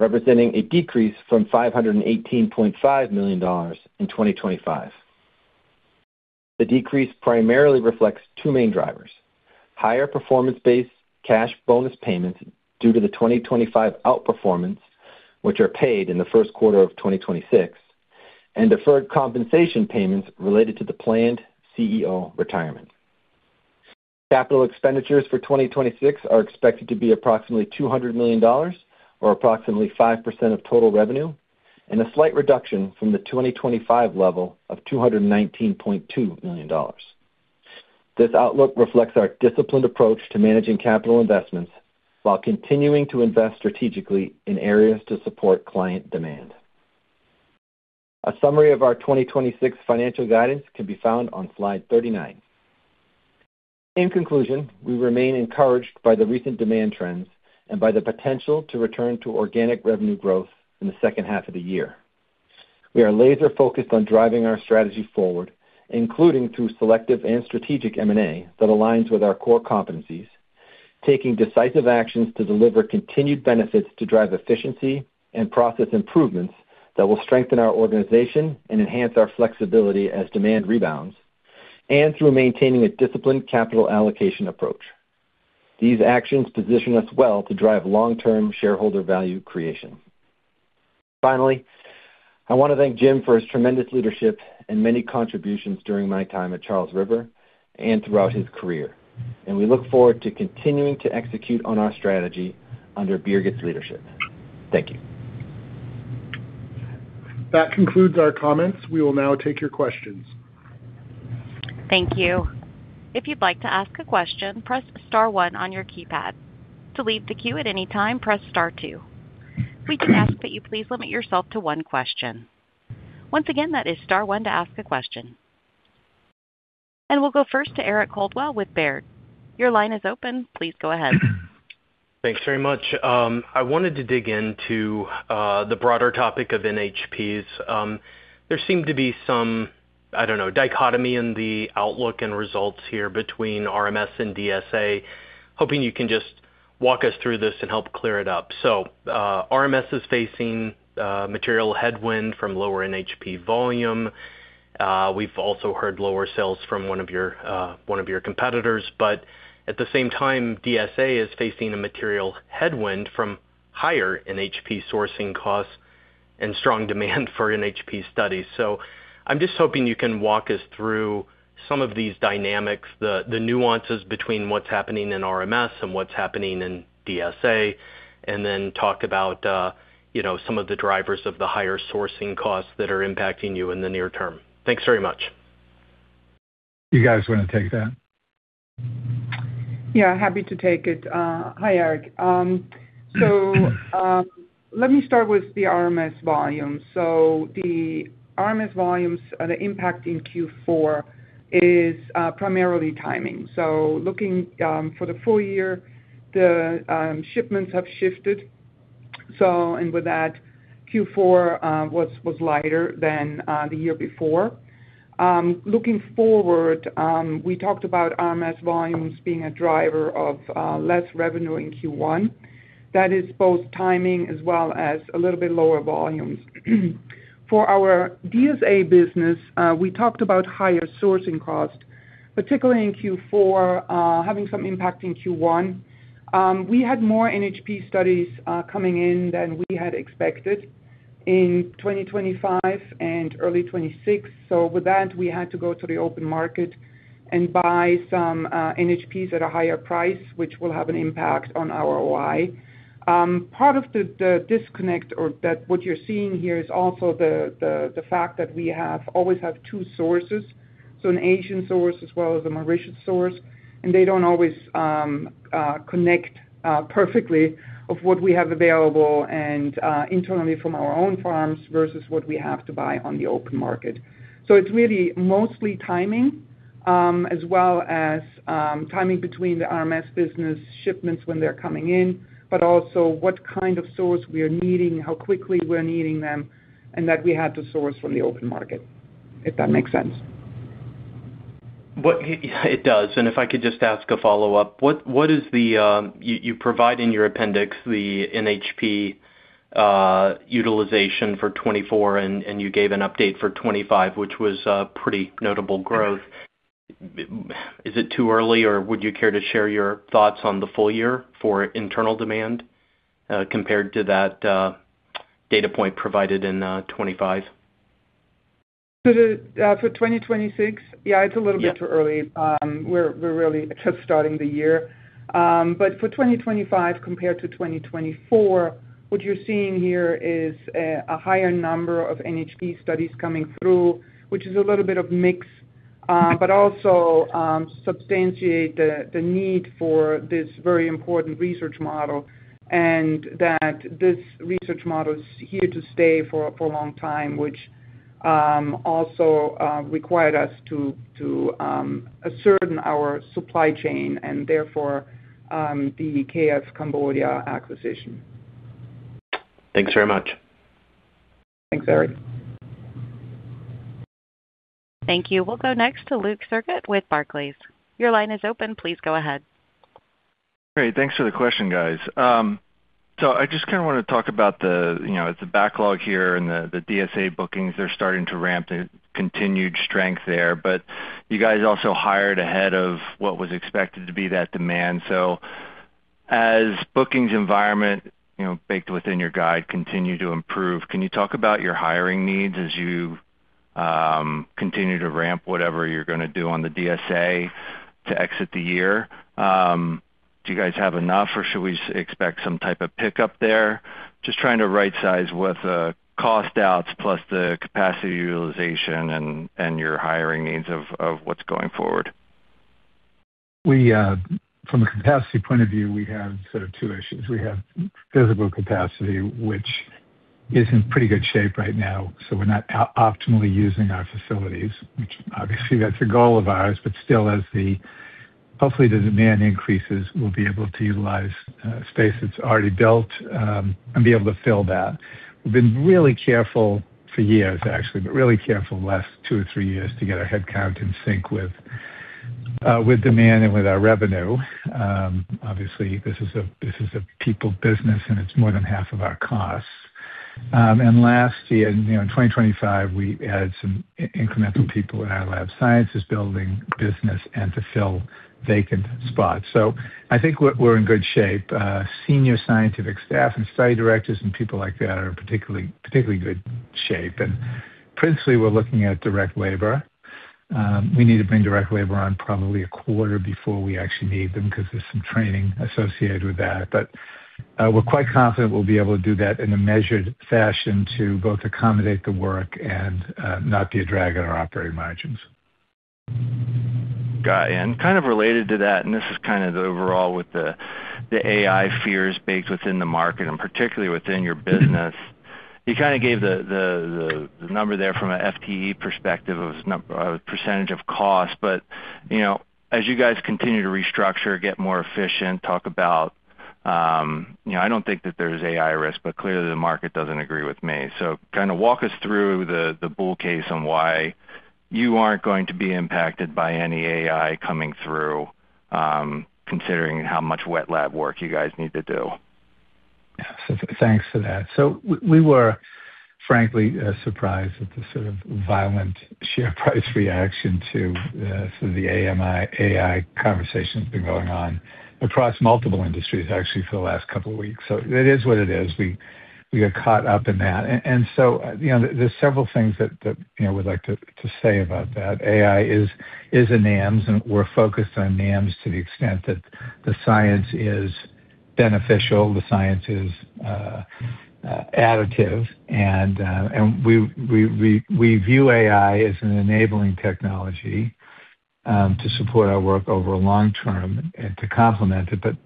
representing a decrease from $518.5 million in 2025. The decrease primarily reflects two main drivers: higher performance-based cash bonus payments due to the 2025 outperformance, which are paid in the Q1 of 2026, and deferred compensation payments related to the planned CEO retirement. Capital expenditures for 2026 are expected to be approximately $200 million, or approximately 5% of total revenue, and a slight reduction from the 2025 level of $219.2 million. This outlook reflects our disciplined approach to managing capital investments while continuing to invest strategically in areas to support client demand. A summary of our 2026 financial guidance can be found on slide 39. In conclusion, we remain encouraged by the recent demand trends and by the potential to return to organic revenue growth in the second half of the year. We are laser focused on driving our strategy forward, including through selective and strategic M&A that aligns with our core competencies, taking decisive actions to deliver continued benefits to drive efficiency and process improvements that will strengthen our organization and enhance our flexibility as demand rebounds, and through maintaining a disciplined capital allocation approach. These actions position us well to drive long-term shareholder value creation. Finally, I want to thank Jim for his tremendous leadership and many contributions during my time at Charles River and throughout his career, and we look forward to continuing to execute on our strategy under Birgit's leadership. Thank you. That concludes our comments. We will now take your questions. Thank you. If you'd like to ask a question, press star one on your keypad. To leave the queue at any time, press star two. We do ask that you please limit yourself to one question. Once again, that is star one to ask a question. We'll go first to Eric Coldwell with Baird. Your line is open. Please go ahead. Thanks very much. I wanted to dig into the broader topic of NHPs. There seemed to be some, I don't know, dichotomy in the outlook and results here between RMS and DSA. Hoping you can just walk us through this and help clear it up. So, RMS is facing material headwind from lower NHP volume. We've also heard lower sales from one of your one of your competitors. But at the same time, DSA is facing a material headwind from higher NHP sourcing costs and strong demand for NHP studies. So I'm just hoping you can walk us through some of these dynamics, the nuances between what's happening in RMS and what's happening in DSA, and then talk about,, some of the drivers of the higher sourcing costs that are impacting you in the near term. Thanks very much. You guys wanna take that? Yeah, happy to take it. Hi, Eric. Let me start with the RMS volume. The RMS volumes, the impact in Q4 is primarily timing. Looking for the full year, the shipments have shifted. And with that, Q4 was lighter than the year before. Looking forward, we talked about RMS volumes being a driver of less revenue in Q1. That is both timing as well as a little bit lower volumes. For our DSA business, we talked about higher sourcing costs, particularly in Q4, having some impact in Q1. We had more NHP studies coming in than we had expected in 2025 and early 2026. So with that, we had to go to the open market and buy some NHPs at a higher price, which will have an impact on our ROI. Part of the disconnect or what you're seeing here is also the fact that we always have two sources, so an Asian source as well as a Mauritius source, and they don't always connect perfectly of what we have available and internally from our own farms versus what we have to buy on the open market. So it's really mostly timing as well as timing between the RMS business shipments when they're coming in, but also what kind of source we are needing, how quickly we're needing them, and that we had to source from the open market, if that makes sense. What? It does. And if I could just ask a follow-up. What is the, you provide in your appendix, the NHP utilization for 2024, and you gave an update for 2025, which was pretty notable growth. Is it too early, or would you care to share your thoughts on the full year for internal demand, compared to that data point provided in 2025? For 2026? Yeah, it's a little bit- Yeah. Too early. We're really just starting the year. But for 2025 compared to 2024, what you're seeing here is a higher number of NHP studies coming through, which is a little bit of mix, but also substantiate the need for this very important research model, and that this research model is here to stay for a long time, which also required us to assert our supply chain and therefore the K.F. Cambodia acquisition. Thanks very much. Thanks, Eric. Thank you. We'll go next to Luke Sergott with Barclays. Your line is open. Please go ahead. Great, thanks for the question, guys. So I just kinda wanna talk about the,, the backlog here and the DSA bookings. They're starting to ramp the continued strength there, but you guys also hired ahead of what was expected to be that demand. So as bookings environment,, baked within your guide, continue to improve, can you talk about your hiring needs as you continue to ramp whatever you're gonna do on the DSA to exit the year? Do you guys have enough, or should we expect some type of pickup there? Just trying to rightsize what the cost outs plus the capacity utilization and your hiring needs of what's going forward. We from a capacity point of view have sort of two issues. We have physical capacity, which is in pretty good shape right now, so we're not optimally using our facilities, which obviously that's a goal of ours, but still, as hopefully the demand increases, we'll be able to utilize space that's already built and be able to fill that. We've been really careful for years actually, but really careful the last two or three years to get our headcount in sync with demand and with our revenue. Obviously, this is a people business, and it's more than half of our costs. And last year,, in 2025, we added some incremental people in our lab sciences building business and to fill vacant spots. So I think we're in good shape. Senior scientific staff and study directors and people like that are in particularly, particularly good shape, and principally we're looking at direct labor. We need to bring direct labor on probably a quarter before we actually need them, 'cause there's some training associated with that. But, we're quite confident we'll be able to do that in a measured fashion to both accommodate the work and, not be a drag on our operating margins. Got it. Kind of related to that, and this is kind of the overall with the AI fears baked within the market and particularly within your business. You kind of gave the number there from an FTE perspective of percentage of cost. But,, as you guys continue to restructure, get more efficient, talk about, , I don't think that there's AI risk, but clearly, the market doesn't agree with me. So kind of walk us through the bull case and why you aren't going to be impacted by any AI coming through, considering how much wet lab work you guys need to do.... Yeah. So thanks for that. So we were frankly surprised at the sort of violent share price reaction to sort of the AI, AI conversation that's been going on across multiple industries, actually, for the last couple of weeks. So it is what it is. We got caught up in that. And so,, there's several things that, we'd like to say about that. AI is in NAMs, and we're focused on NAMs to the extent that the science is beneficial, the science is additive. And we view AI as an enabling technology to support our work over long term and to complement it. But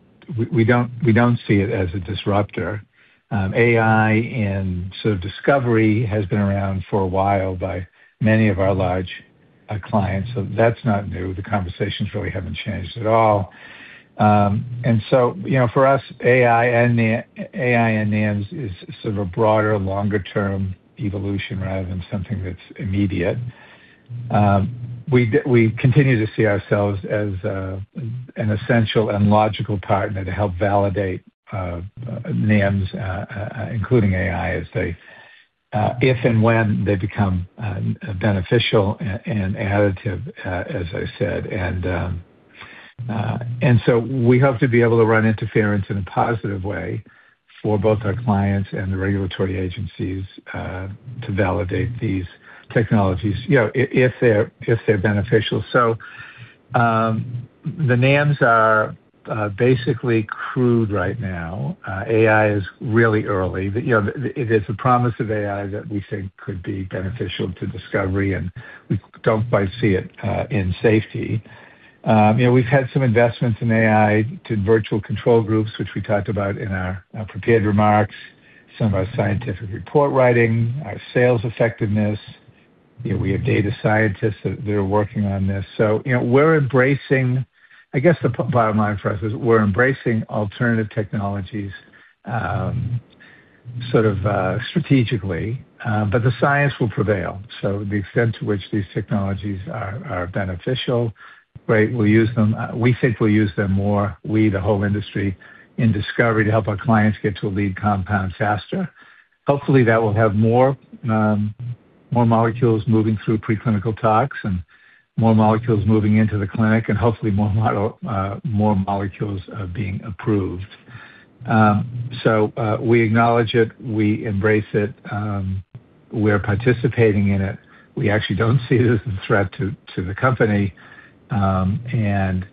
we don't see it as a disruptor. AI and so discovery has been around for a while by many of our large,, clients, so that's not new. The conversations really haven't changed at all. And so,, for us, AI and NAMS is sort of a broader, longer term evolution rather than something that's immediate. We continue to see ourselves as,, an essential and logical partner to help validate NAMS,, including AI, as they, if and when they become,, beneficial and additive, as I said. And we hope to be able to run interference in a positive way for both our clients and the regulatory agencies,, to validate these technologies,, if they're, if they're beneficial. The NAMS are basically crude right now. AI is really early., it is the promise of AI that we think could be beneficial to discovery, and we don't quite see it in safety., we've had some investments in AI to virtual control groups, which we talked about in our prepared remarks, some of our scientific report writing, our sales effectiveness. , we have data scientists that are working on this. So,, we're embracing... I guess the bottom line for us is we're embracing alternative technologies sort of strategically, but the science will prevail. So the extent to which these technologies are beneficial, great, we'll use them. We think we'll use them more, we, the whole industry, in discovery to help our clients get to a lead compound faster. Hopefully, that will have more molecules moving through preclinical tox and more molecules moving into the clinic and hopefully, more molecules being approved. So, we acknowledge it. We embrace it. We're participating in it. We actually don't see it as a threat to the company. And,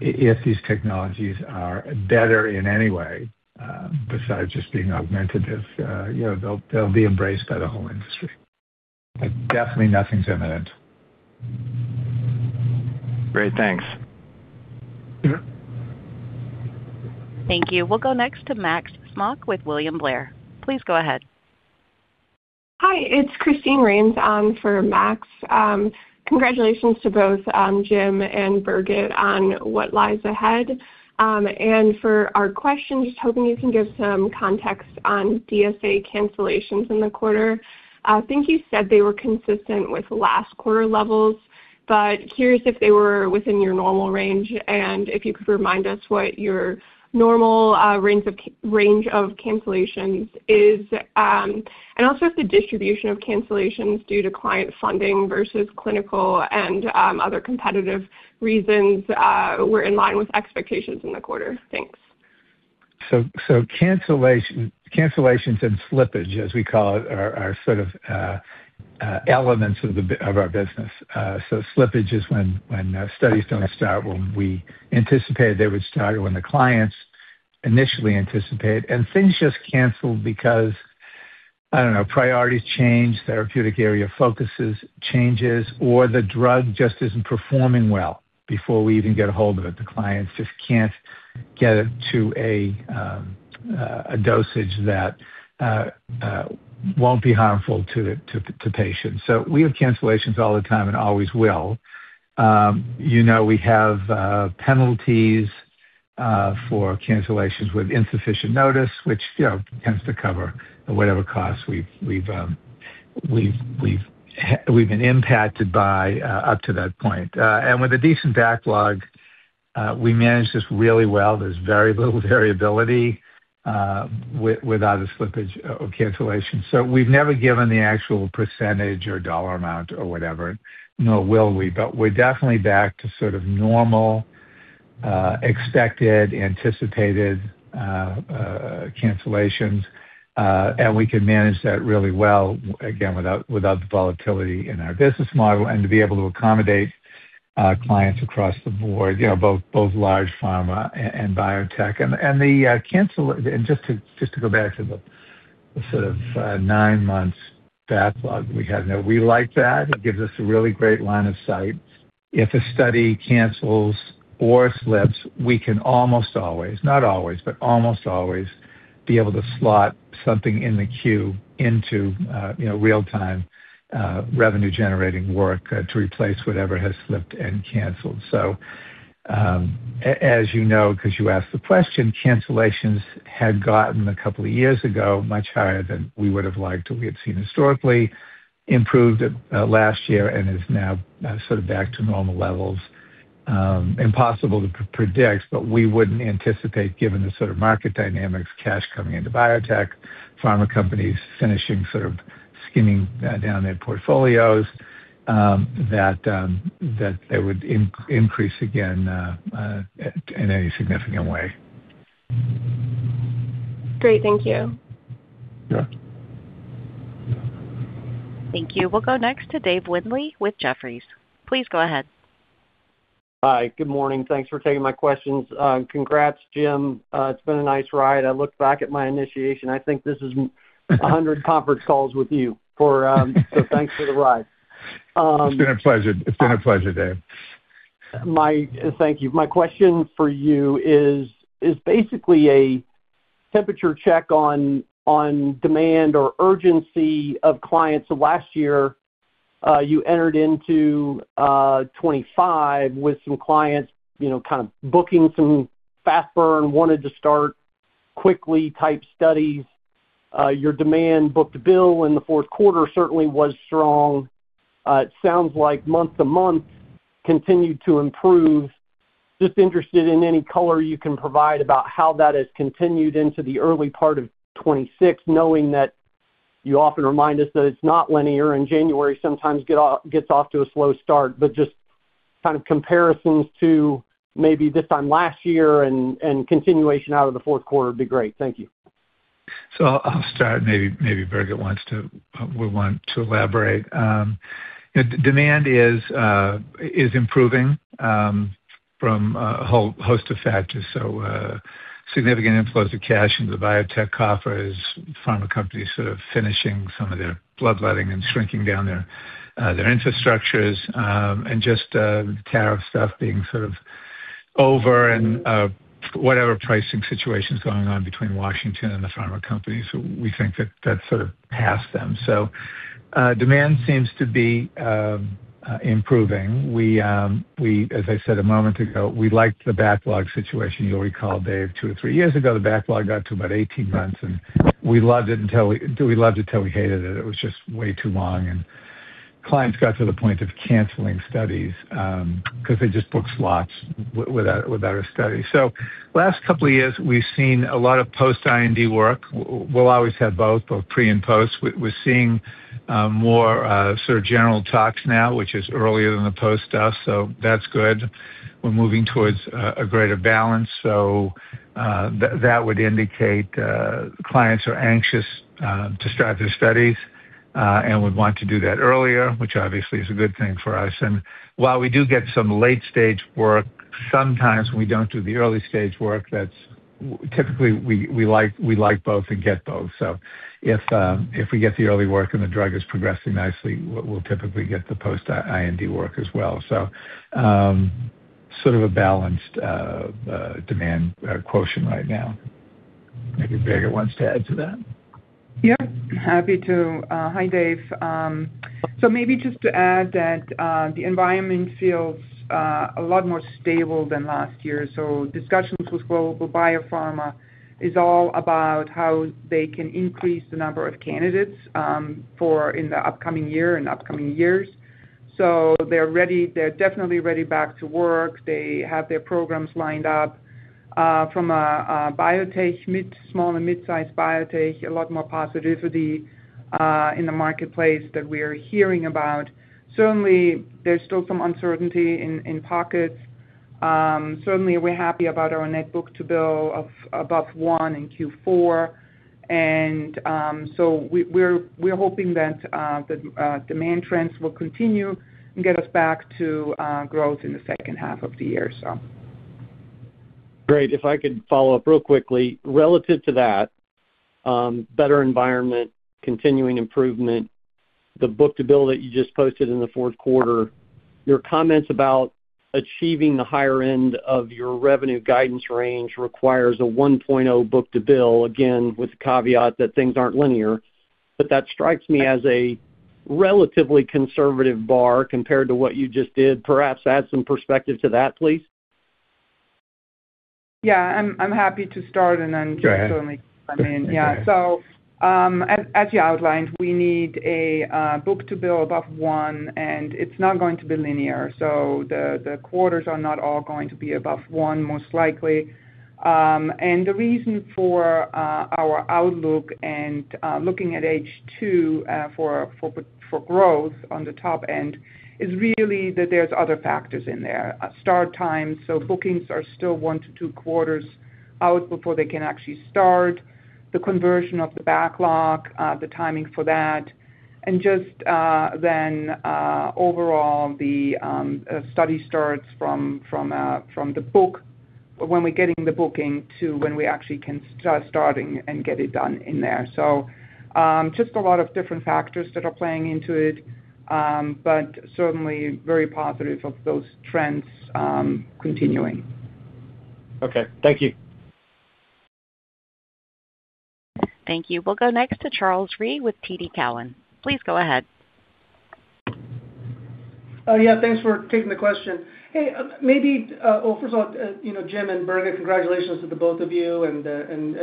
if these technologies are better in any way, besides just being augmentative,, they'll be embraced by the whole industry. But definitely nothing's imminent. Great. Thanks. Mm-hmm. Thank you. We'll go next to Max Smock with William Blair. Please go ahead. Hi, it's Christine Rains on for Max. Congratulations to both Jim and Birgit on what lies ahead. And for our question, just hoping you can give some context on DSA cancellations in the quarter. I think you said they were consistent with last quarter levels, but curious if they were within your normal range and if you could remind us what your normal range of cancellations is, and also if the distribution of cancellations due to client funding versus clinical and other competitive reasons were in line with expectations in the quarter? Thanks. So, cancellations and slippage, as we call it, are sort of elements of our business. Slippage is when studies don't start when we anticipated they would start or when the clients initially anticipated. And things just canceled because, I don't know, priorities change, therapeutic area focuses changes, or the drug just isn't performing well before we even get a hold of it. The clients just can't get it to a dosage that won't be harmful to the patients. So we have cancellations all the time and always will., we have penalties for cancellations with insufficient notice, which,, tends to cover whatever costs we've been impacted by up to that point. With a decent backlog, we manage this really well. There's very little variability, without a slippage or cancellation. We've never given the actual percentage or dollar amount or whatever, nor will we, but we're definitely back to sort of normal, expected, anticipated cancellations. We can manage that really well, again, without the volatility in our business model and to be able to accommodate clients across the board,, both large pharma and biotech. The cancel- and just to go back to the sort of nine months backlog we had. Now, we like that. It gives us a really great line of sight. If a study cancels or slips, we can almost always, not always, but almost always be able to slot something in the queue into,, real-time, revenue-generating work, to replace whatever has slipped and canceled. So, as, because you asked the question, cancellations had gotten, a couple of years ago, much higher than we would have liked or we had seen historically, improved, last year and is now, sort of back to normal levels. Impossible to predict, but we wouldn't anticipate, given the sort of market dynamics, cash coming into biotech, pharma companies finishing sort of skimming down their portfolios, that, that they would increase again, in any significant way. Great. Thank you. Yeah. Thank you. We'll go next to Dave Windley with Jefferies. Please go ahead. Hi, good morning. Thanks for taking my questions. Congrats, Jim. It's been a nice ride. I looked back at my initiation. I think this is 100 conference calls with you for. So thanks for the ride. It's been a pleasure. It's been a pleasure, Dave. Thank you. My question for you is, is basically a temperature check on, on demand or urgency of clients. Last year, you entered into 25 with some clients,, kind of booking some fast burn, wanted to start quickly type studies. Your demand book to bill in the Q4 certainly was strong. It sounds like month to month continued to improve. Just interested in any color you can provide about how that has continued into the early part of 2026, knowing that you often remind us that it's not linear, and January sometimes gets off to a slow start. Just kind of comparisons to maybe this time last year and, and continuation out of the Q4 would be great. Thank you. So I'll start, maybe Birgit wants to, would want to elaborate. Demand is improving from a whole host of factors. So, significant inflows of cash into the biotech coffers, pharma companies sort of finishing some of their bloodletting and shrinking down their infrastructures, and just tariff stuff being sort of over and whatever pricing situation is going on between Washington and the pharma companies. We think that that's sort of past them. So, demand seems to be improving. We, as I said a moment ago, we liked the backlog situation. You'll recall, Dave, two or three years ago, the backlog got to about 18 months, and we loved it until we hated it. It was just way too long, and clients got to the point of canceling studies, because they just booked slots without a study. So last couple of years, we've seen a lot of post-IND work. We'll always have both, both pre- and post. We're seeing more sort of general tox now, which is earlier than the post stuff, so that's good. We're moving towards a greater balance, so that would indicate clients are anxious to start their studies and would want to do that earlier, which obviously is a good thing for us. And while we do get some late-stage work, sometimes we don't do the early-stage work, that's... Typically, we like, we like both and get both. So if, if we get the early work and the drug is progressing nicely, we'll typically get the post-IND work as well. So, sort of a balanced, demand, quotient right now. Maybe Birgit wants to add to that? Yeah, happy to. Hi, Dave. So maybe just to add that, the environment feels a lot more stable than last year. So discussions with global biopharma is all about how they can increase the number of candidates for in the upcoming year and upcoming years. So they're ready, they're definitely ready back to work. They have their programs lined up. From a biotech, mid, small- and mid-sized biotech, a lot more positivity in the marketplace that we are hearing about. Certainly, there's still some uncertainty in pockets. Certainly, we're happy about our Net Book-to-Bill of above one in Q4. And so we, we're hoping that the demand trends will continue and get us back to growth in the second half of the year, so. Great. If I could follow up real quickly. Relative to that, better environment, continuing improvement, the book-to-bill that you just posted in the Q4, your comments about achieving the higher end of your revenue guidance range requires a 1.0 book-to-bill, again, with the caveat that things aren't linear. But that strikes me as a relatively conservative bar compared to what you just did. Perhaps add some perspective to that, please. Yeah, I'm happy to start and then- Go ahead. Jim come in. Okay. Yeah. So, as you outlined, we need a book to bill above 1, and it's not going to be linear, so the quarters are not all going to be above 1, most likely. And the reason for our outlook and looking at H2 for growth on the top end is really that there's other factors in there. A start time, so bookings are still Q1 to Q2 out before they can actually start. The conversion of the backlog, the timing for that, and just then overall, the study starts from the book, when we're getting the booking to when we actually can start starting and get it done in there. Just a lot of different factors that are playing into it, but certainly very positive of those trends continuing. Okay. Thank you. Thank you. We'll go next to Charles Rhyee with TD Cowen. Please go ahead. Yeah, thanks for taking the question. Hey, maybe, well, first of all,, Jim and Birgit, congratulations to the both of you, and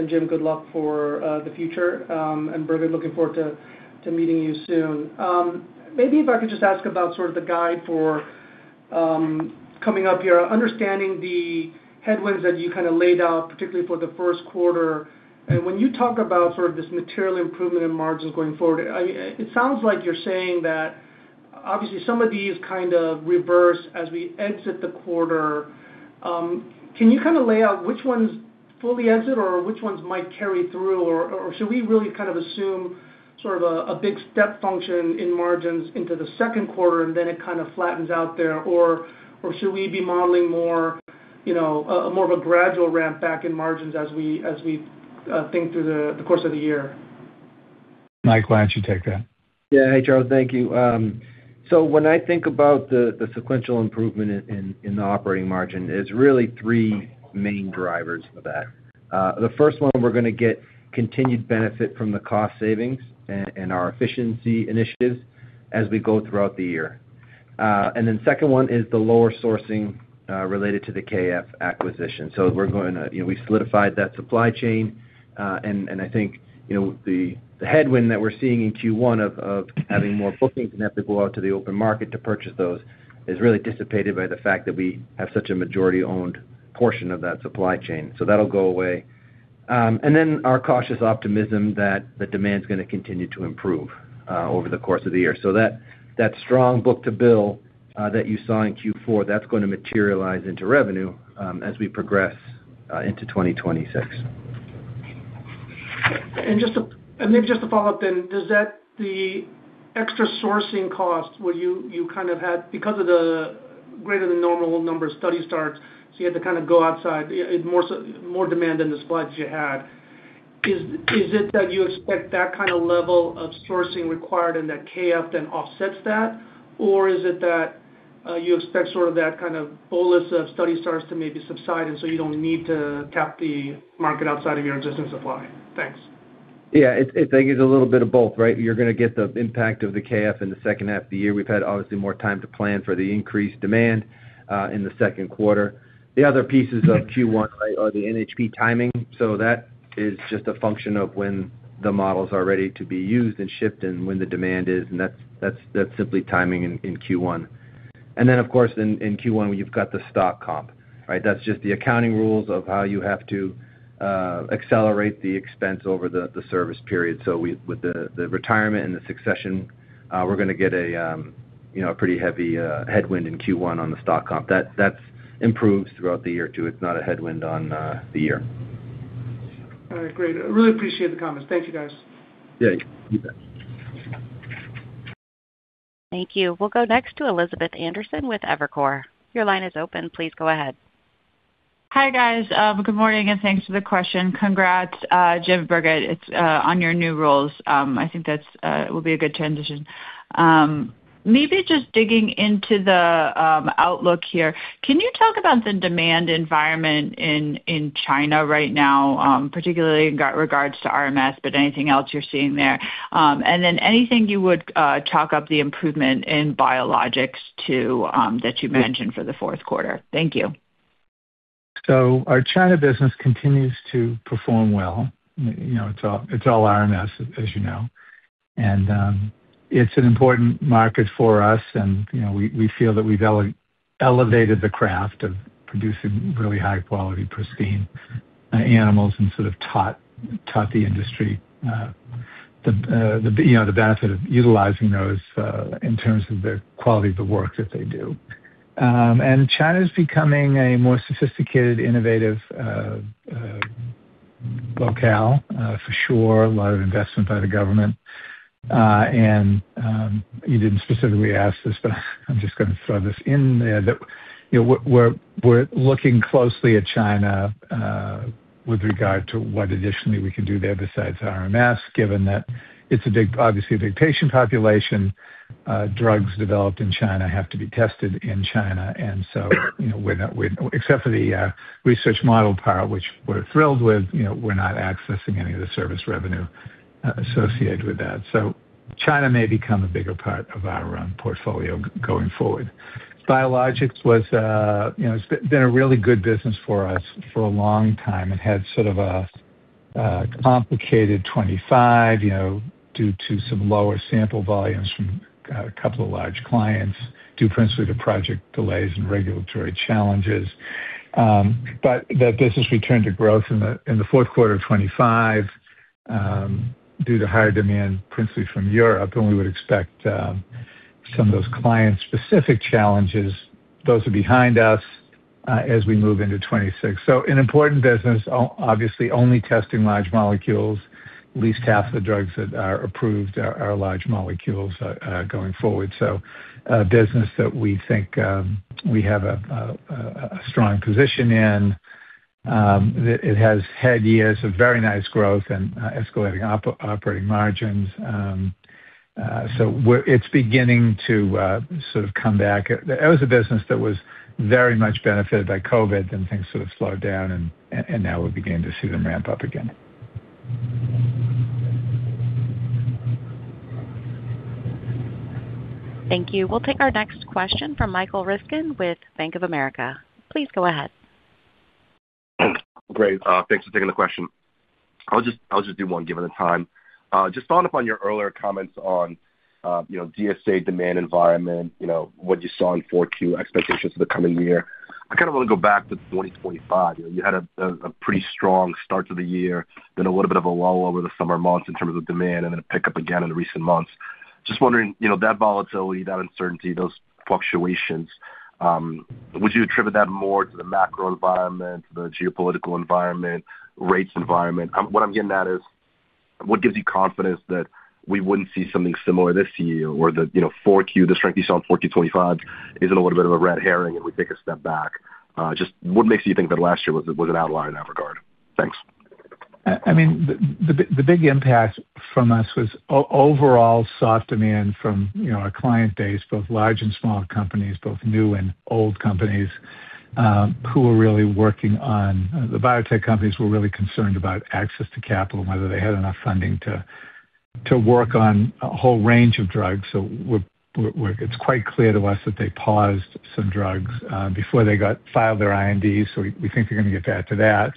Jim, good luck for the future., and Birgit, looking forward to meeting you soon. Maybe if I could just ask about sort of the guide for, coming up here, understanding the headwinds that you kind of laid out, particularly for the Q1, and when you talk about sort of this material improvement in margins going forward, I, it sounds like you're saying that obviously some of these kind of reverse as we exit the quarter. Can you kind of lay out which ones fully exit or which ones might carry through? Or, should we really kind of assume sort of a big step function in margins into the Q2, and then it kind of flattens out there? Or, should we be modeling more,, more of a gradual ramp back in margins as we think through the course of the year? Mike, why don't you take that? Yeah. Hey, Charles, thank you. So when I think about the sequential improvement in the operating margin, it's really three main drivers for that. The first one, we're gonna get continued benefit from the cost savings and our efficiency initiatives as we go throughout the year. And then second one is the lower sourcing related to the K.F. acquisition. So we're going to,, we solidified that supply chain, and I think,, the headwind that we're seeing in Q1 of having more bookings and have to go out to the open market to purchase those is really dissipated by the fact that we have such a majority-owned portion of that supply chain. So that'll go away. and then our cautious optimism that the demand's gonna continue to improve over the course of the year. So that strong book-to-bill that you saw in Q4, that's going to materialize into revenue as we progress into 2026. Maybe just a follow-up then. Does that, the extra sourcing cost, were you, you kind of had, because of the greater than normal number of study starts, so you had to kind of go outside, more so—more demand than the supplies you had. Is it that you expect that kind of level of sourcing required and that K.F. then offsets that? Or is it that you expect sort of that kind of bolus of study starts to maybe subside, and so you don't need to tap the market outside of your existing supply? Thanks. Yeah, I think it's a little bit of both, right? You're gonna get the impact of the KF in the second half of the year. We've had, obviously, more time to plan for the increased demand in the Q2. The other pieces of Q1, right, are the NHP timing, so that is just a function of when the models are ready to be used and shipped and when the demand is, and that's simply timing in Q1. And then, of course, in Q1, you've got the stock comp, right? That's just the accounting rules of how you have to accelerate the expense over the service period. So with the retirement and the succession, we're gonna get a,, a pretty heavy headwind in Q1 on the stock comp. That improves throughout the year, too. It's not a headwind on the year. All right, great. I really appreciate the comments. Thank you, guys. Yeah, you bet. Thank you. We'll go next to Elizabeth Anderson with Evercore. Your line is open. Please go ahead. Hi, guys. Good morning, and thanks for the question. Congrats, Jim and Birgit, it's on your new roles. I think that's will be a good transition. Maybe just digging into the outlook here, can you talk about the demand environment in China right now, particularly in regards to RMS, but anything else you're seeing there? And then anything you would chalk up the improvement in biologics to that you mentioned for the Q4? Thank you. So our China business continues to perform well., it's all, it's all RMS, as. And it's an important market for us, and,, we feel that we've elevated the craft of producing really high-quality, pristine animals and sort of taught the industry the benefit of utilizing those in terms of the quality of the work that they do. And China's becoming a more sophisticated, innovative locale for sure. A lot of investment by the government. And you didn't specifically ask this, but I'm just gonna throw this in there, that,, we're looking closely at China with regard to what additionally we can do there besides RMS, given that it's a big, obviously a big patient population. Drugs developed in China have to be tested in China, and so,, we're not, we, except for the research model part, which we're thrilled with,, we're not accessing any of the service revenue associated with that. So China may become a bigger part of our portfolio going forward. Biologics was,, it's been a really good business for us for a long time and had sort of a complicated 25,, due to some lower sample volumes from a couple of large clients, due principally to project delays and regulatory challenges. But the business returned to growth in the Q4 of 2025, due to higher demand, principally from Europe, and we would expect some of those clients' specific challenges, those are behind us, as we move into 2026. So an important business, obviously, only testing large molecules. At least half of the drugs that are approved are large molecules, going forward. So a business that we think we have a strong position in, that it has had years of very nice growth and escalating operating margins. So it's beginning to sort of come back. It was a business that was very much benefited by COVID, then things sort of slowed down, and now we're beginning to see them ramp up again. Thank you. We'll take our next question from Michael Ryskin with Bank of America. Please go ahead. ... Great. Thanks for taking the question. I'll just, I'll just do one, given the time. Just following up on your earlier comments on,, DSA demand environment,, what you saw in Q4, expectations for the coming year. I kind of want to go back to 2025. You had a, a pretty strong start to the year, then a little bit of a lull over the summer months in terms of demand and then a pickup again in recent months. Just wondering,, that volatility, that uncertainty, those fluctuations, would you attribute that more to the macro environment, the geopolitical environment, rates environment? What I'm getting at is, what gives you confidence that we wouldn't see something similar this year or that,, 4Q, the strength you saw in 4Q 25 is a little bit of a red herring, and we take a step back. Just what makes you think that last year was, was an outlier in that regard? Thanks. I mean, the big impact from us was overall soft demand from,, our client base, both large and small companies, both new and old companies, who were really working on... The biotech companies were really concerned about access to capital, whether they had enough funding to work on a whole range of drugs. So it's quite clear to us that they paused some drugs before they filed their INDs. So we think they're gonna get back to that.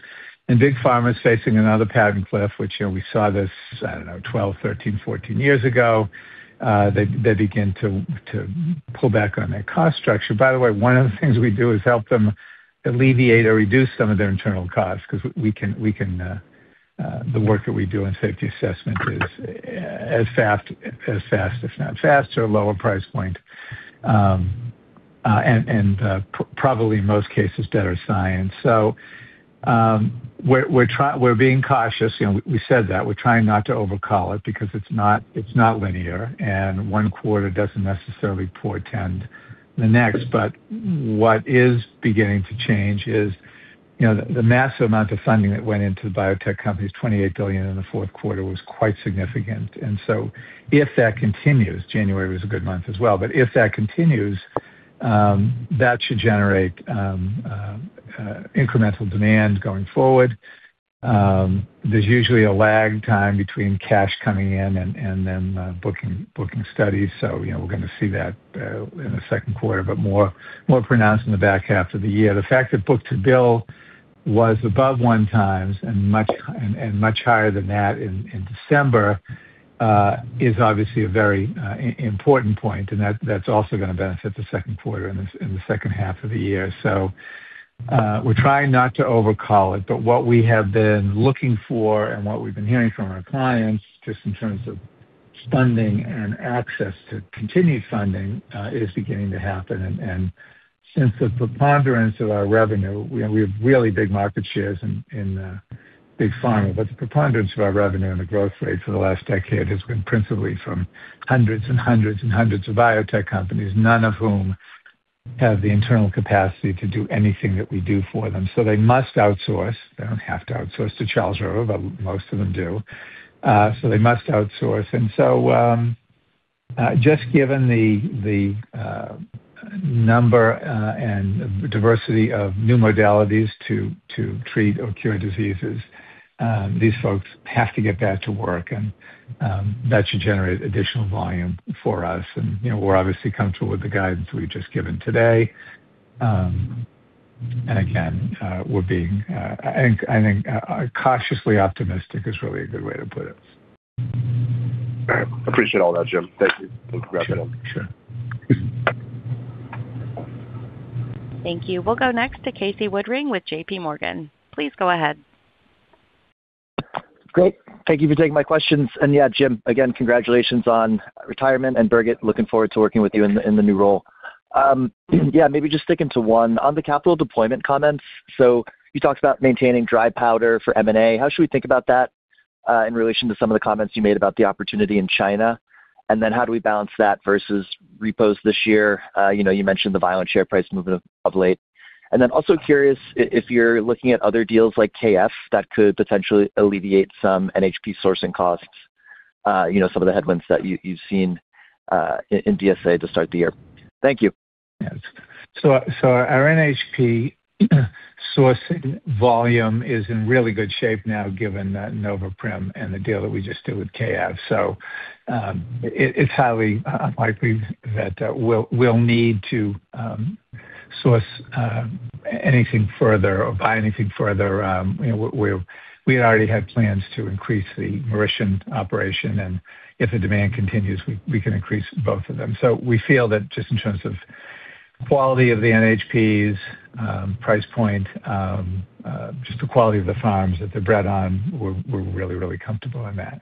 And big pharma is facing another patent cliff, which,, we saw this, I don't know, 12, 13, 14 years ago. They begin to pull back on their cost structure. By the way, one of the things we do is help them alleviate or reduce some of their internal costs. Because we can, the work that we do in safety assessment is as fast, if not faster, lower price point, and probably in most cases, better science. So, we're being cautious., we said that. We're trying not to overcall it because it's not linear, and Q1 doesn't necessarily portend the next. But what is beginning to change is,, the massive amount of funding that went into the biotech companies, $28 billion in the Q4, was quite significant. And so if that continues, January was a good month as well, but if that continues, that should generate incremental demand going forward. There's usually a lag time between cash coming in and then booking studies. So,, we're gonna see that in the Q2, but more pronounced in the back half of the year. The fact that book-to-bill was above 1x and much higher than that in December is obviously a very important point, and that's also gonna benefit the Q2 and the second half of the year. So, we're trying not to overcall it, but what we have been looking for and what we've been hearing from our clients, just in terms of funding and access to continued funding, is beginning to happen. Since the preponderance of our revenue, we have really big market shares in big pharma, but the preponderance of our revenue and the growth rate for the last decade has been principally from hundreds and hundreds and hundreds of biotech companies, none of whom have the internal capacity to do anything that we do for them. So they must outsource. They don't have to outsource to Charles River, but most of them do. So they must outsource. And so, just given the number and diversity of new modalities to treat or cure diseases, these folks have to get back to work, and that should generate additional volume for us. And,, we're obviously comfortable with the guidance we've just given today. And again, we're being, I think, cautiously optimistic is really a good way to put it. All right. Appreciate all that, Jim. Thank you. Sure. Sure. Thank you. We'll go next to Casey Woodring with JP Morgan. Please go ahead. Great. Thank you for taking my questions. And yeah, Jim, again, congratulations on retirement, and Birgit, looking forward to working with you in the new role. Yeah, maybe just sticking to one. On the capital deployment comments, so you talked about maintaining dry powder for M&A. How should we think about that in relation to some of the comments you made about the opportunity in China? And then how do we balance that versus repos this year?, you mentioned the violent share price movement of late. And then also curious if you're looking at other deals like K.F. that could potentially alleviate some NHP sourcing costs,, some of the headwinds that you've seen in DSA to start the year. Thank you. So our NHP sourcing volume is in really good shape now, given that NovaPrim and the deal that we just did with KF. So it’s highly unlikely that we’ll need to source anything further or buy anything further., we had already had plans to increase the Mauritian operation, and if the demand continues, we can increase both of them. So we feel that just in terms of quality of the NHPs, price point, just the quality of the farms that they’re bred on, we’re really, really comfortable in that.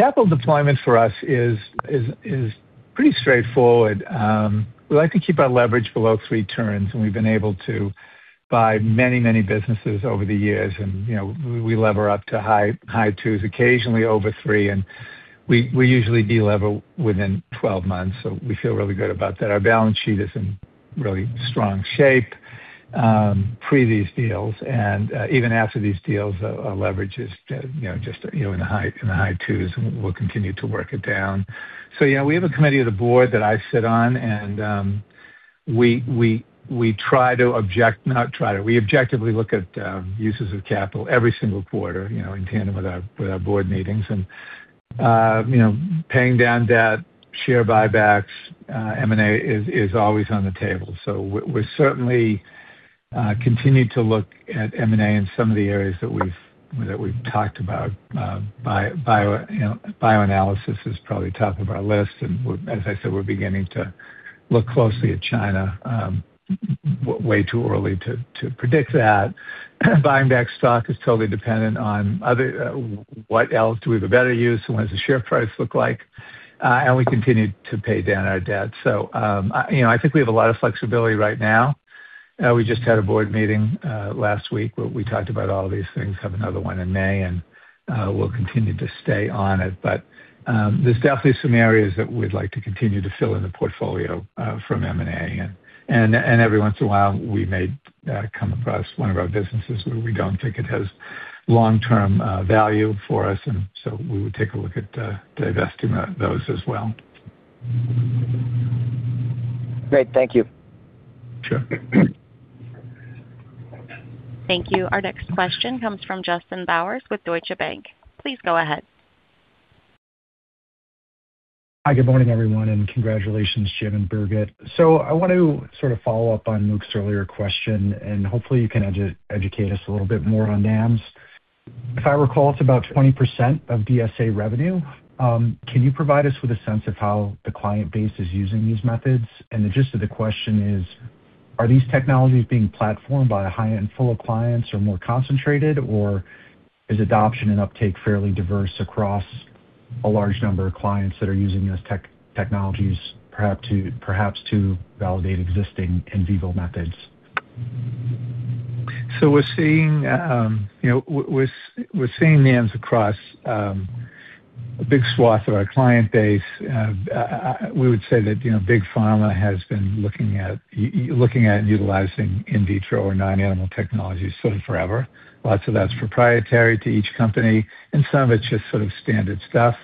Capital deployment for us is pretty straightforward. We like to keep our leverage below three turns, and we've been able to buy many, many businesses over the years, and,, we lever up to high, high 2s, occasionally over three, and we, we usually delever within 12 months, so we feel really good about that. Our balance sheet is in really strong shape, pre these deals, and, even after these deals, our, our leverage is,, just,, in the high, in the high two, and we'll continue to work it down. So yeah, we have a committee of the board that I sit on, and, we, we, we try to object- not try to... We objectively look at, uses of capital every single quarter,, in tandem with our, with our board meetings. And,..., paying down debt, share buybacks, M&A is always on the table. So we certainly continue to look at M&A in some of the areas that we've talked about. Bio,, bioanalysis is probably top of our list, and we're, as I said, we're beginning to look closely at China. Way too early to predict that. Buying back stock is totally dependent on other, what else do we have a better use? What does the share price look like? And we continue to pay down our debt. So, I,, I think we have a lot of flexibility right now. We just had a board meeting last week, where we talked about all of these things, have another one in May, and we'll continue to stay on it. But, there's definitely some areas that we'd like to continue to fill in the portfolio from M&A. And every once in a while, we may come across one of our businesses where we don't think it has long-term value for us, and so we would take a look at divesting those as well. Great. Thank you. Sure. Thank you. Our next question comes from Justin Bowers with Deutsche Bank. Please go ahead. Hi, good morning, everyone, and congratulations, Jim and Birgit. So I want to sort of follow up on Luke's earlier question, and hopefully you can educate us a little bit more on NAMs. If I recall, it's about 20% of DSA revenue. Can you provide us with a sense of how the client base is using these methods? And the gist of the question is, are these technologies being platformed by a high-end full of clients or more concentrated, or is adoption and uptake fairly diverse across a large number of clients that are using those technologies, perhaps to, perhaps to validate existing in vivo methods? So we're seeing,, we're seeing NAMs across a big swath of our client base. We would say that,, big pharma has been looking at utilizing in vitro or non-animal technologies sort of forever. Lots of that's proprietary to each company, and some of it's just sort of standard stuff.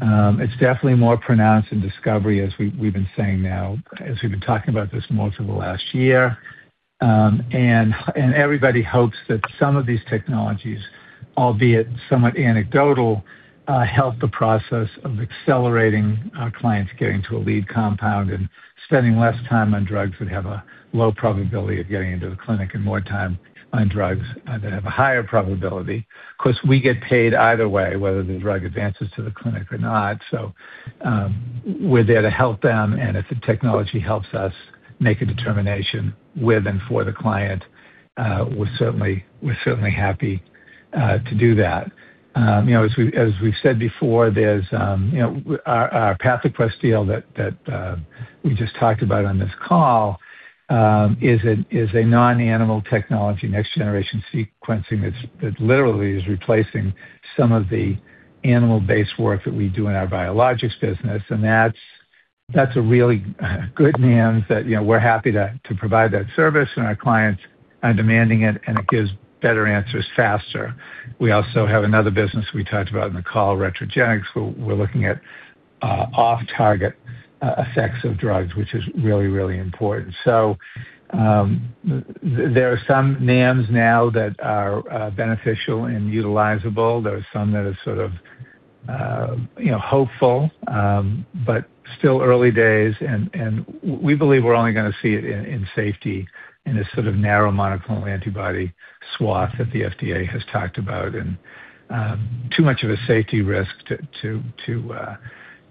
It's definitely more pronounced in discovery, as we've been saying now, as we've been talking about this most of the last year. And everybody hopes that some of these technologies, albeit somewhat anecdotal, help the process of accelerating our clients getting to a lead compound and spending less time on drugs that have a low probability of getting into the clinic and more time on drugs that have a higher probability. Of course, we get paid either way, whether the drug advances to the clinic or not. So, we're there to help them, and if the technology helps us make a determination with and for the client, we're certainly, we're certainly happy to do that. , as we've said before, there's, our PathoQuest deal that we just talked about on this call is a non-animal technology, next-generation sequencing, that's literally replacing some of the animal-based work that we do in our biologics business, and that's a really good NAMs that,, we're happy to provide that service, and our clients are demanding it, and it gives better answers faster. We also have another business we talked about in the call, Retrogenix, where we're looking at off-target effects of drugs, which is really, really important. So, there are some NAMs now that are beneficial and utilizable. There are some that are sort of,, hopeful, but still early days, and we believe we're only gonna see it in safety, in a sort of narrow monoclonal antibody swath that the FDA has talked about. And too much of a safety risk to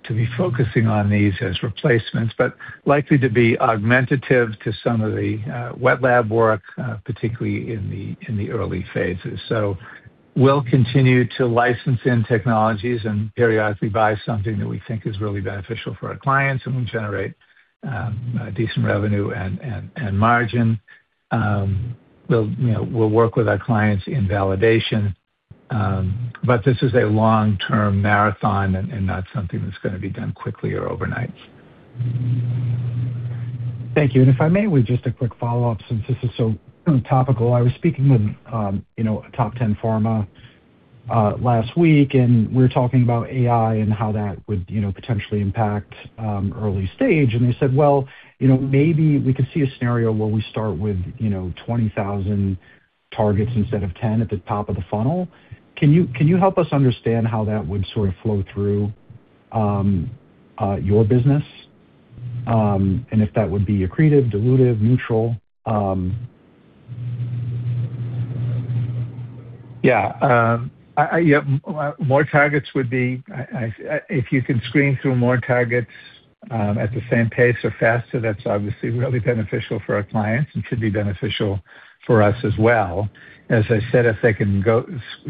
be focusing on these as replacements, but likely to be augmentative to some of the wet lab work, particularly in the early phases. So we'll continue to license in technologies and periodically buy something that we think is really beneficial for our clients and will generate decent revenue and margin. We'll,, we'll work with our clients in validation, but this is a long-term marathon and not something that's gonna be done quickly or overnight. Thank you. And if I may, with just a quick follow-up, since this is so topical. I was speaking with,, a top 10 pharma last week, and we were talking about AI and how that would,, potentially impact early stage. And they said, "Well,, maybe we could see a scenario where we start with,, 20,000 targets instead of 10 at the top of the funnel." Can you help us understand how that would sort of flow through your business, and if that would be accretive, dilutive, neutral? Yeah. Yep, more targets would be. If you can screen through more targets at the same pace or faster, that's obviously really beneficial for our clients and should be beneficial for us as well. As I said, if they can go,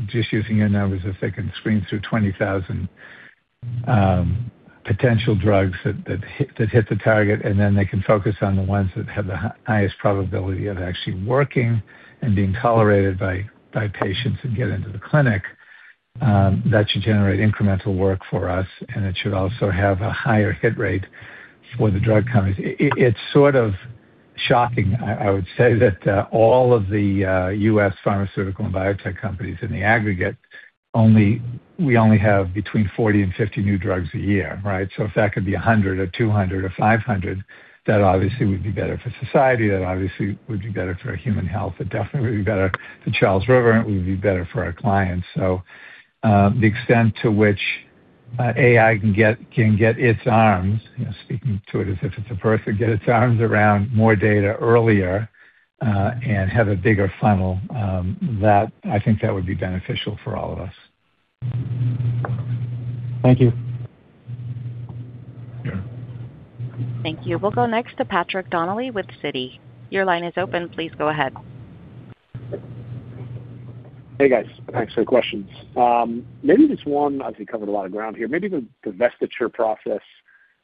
just using your numbers, if they can screen through 20,000 potential drugs that hit the target, and then they can focus on the ones that have the highest probability of actually working and being tolerated by patients and get into the clinic, that should generate incremental work for us, and it should also have a higher hit rate for the drug companies. It's sort of shocking, I would say, that all of the US pharmaceutical and biotech companies in the aggregate only we only have between 40 and 50 new drugs a year, right? So if that could be a 100 or 200 or 500, that obviously would be better for society, that obviously would be better for human health, it definitely would be better for Charles River, and it would be better for our clients. So, the extent to which But AI can get its arms,, speaking to it as if it's a person, get its arms around more data earlier, and have a bigger funnel, that I think that would be beneficial for all of us. Thank you. Thank you. We'll go next to Patrick Donnelly with Citi. Your line is open. Please go ahead. Hey, guys. Thanks for the questions. Maybe just one, as we covered a lot of ground here, maybe the divestiture process.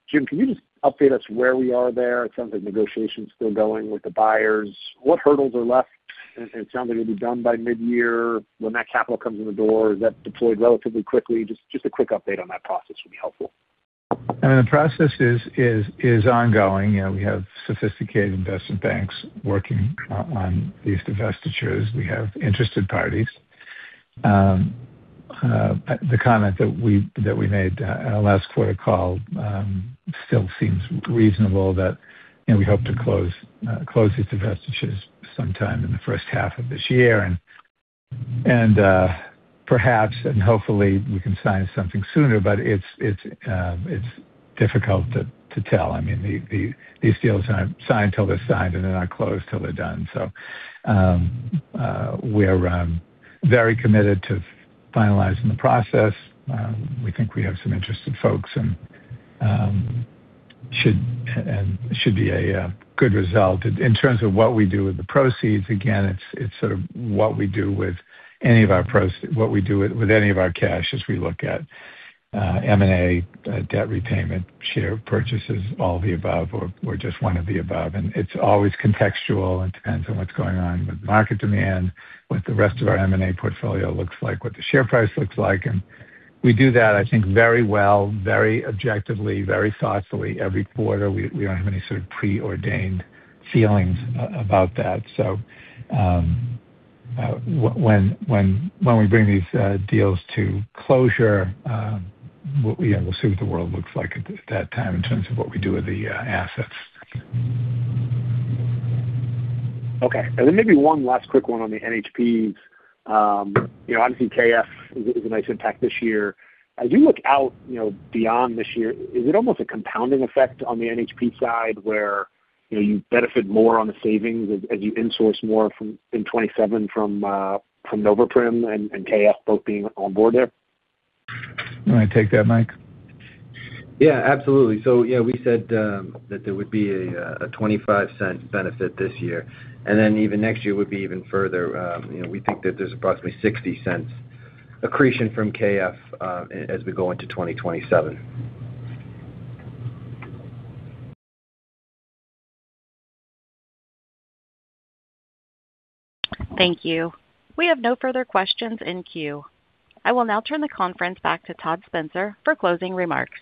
Jim, can you just update us where we are there? It sounds like negotiation's still going with the buyers. What hurdles are left? And it sounds like it'll be done by mid-year. When that capital comes in the door, is that deployed relatively quickly? Just a quick update on that process would be helpful. I mean, the process is ongoing., we have sophisticated investment banks working on these divestitures. We have interested parties. The comment that we made at our last quarter call still seems reasonable, that, we hope to close these divestitures sometime in the first half of this year. And perhaps and hopefully we can sign something sooner, but it's difficult to tell. I mean, these deals aren't signed till they're signed, and they're not closed till they're done. We're very committed to finalizing the process. We think we have some interested folks and should be a good result. In terms of what we do with the proceeds, again, it's sort of what we do with any of our cash as we look at M&A, debt repayment, share purchases, all the above or just one of the above. It's always contextual and depends on what's going on with market demand, what the rest of our M&A portfolio looks like, what the share price looks like. We do that, I think, very well, very objectively, very thoughtfully every quarter. We don't have any sort of preordained feelings about that. When we bring these deals to closure, we'll see what the world looks like at that time in terms of what we do with the assets. Okay. And then maybe one last quick one on the NHPs., obviously, K.F. is a nice impact this year. As you look out,, beyond this year, is it almost a compounding effect on the NHP side, where, , you benefit more on the savings as you insource more from, in 2027 from, from NovaPrim and K.F. both being on board there? You want to take that, Mike? Yeah, absolutely. So yeah, we said that there would be a $0.25 benefit this year, and then even next year would be even further., we think that there's approximately $0.60 accretion from KF as we go into 2027. Thank you. We have no further questions in queue. I will now turn the conference back to Todd Spencer for closing remarks.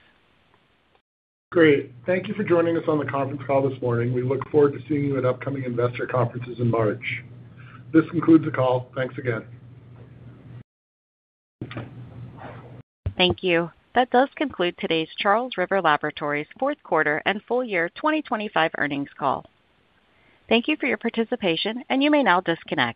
Great. Thank you for joining us on the conference call this morning. We look forward to seeing you at upcoming investor conferences in March. This concludes the call. Thanks again. Thank you. That does conclude today's Charles River Laboratories Q4 and full year 2025 earnings call. Thank you for your participation, and you may now disconnect.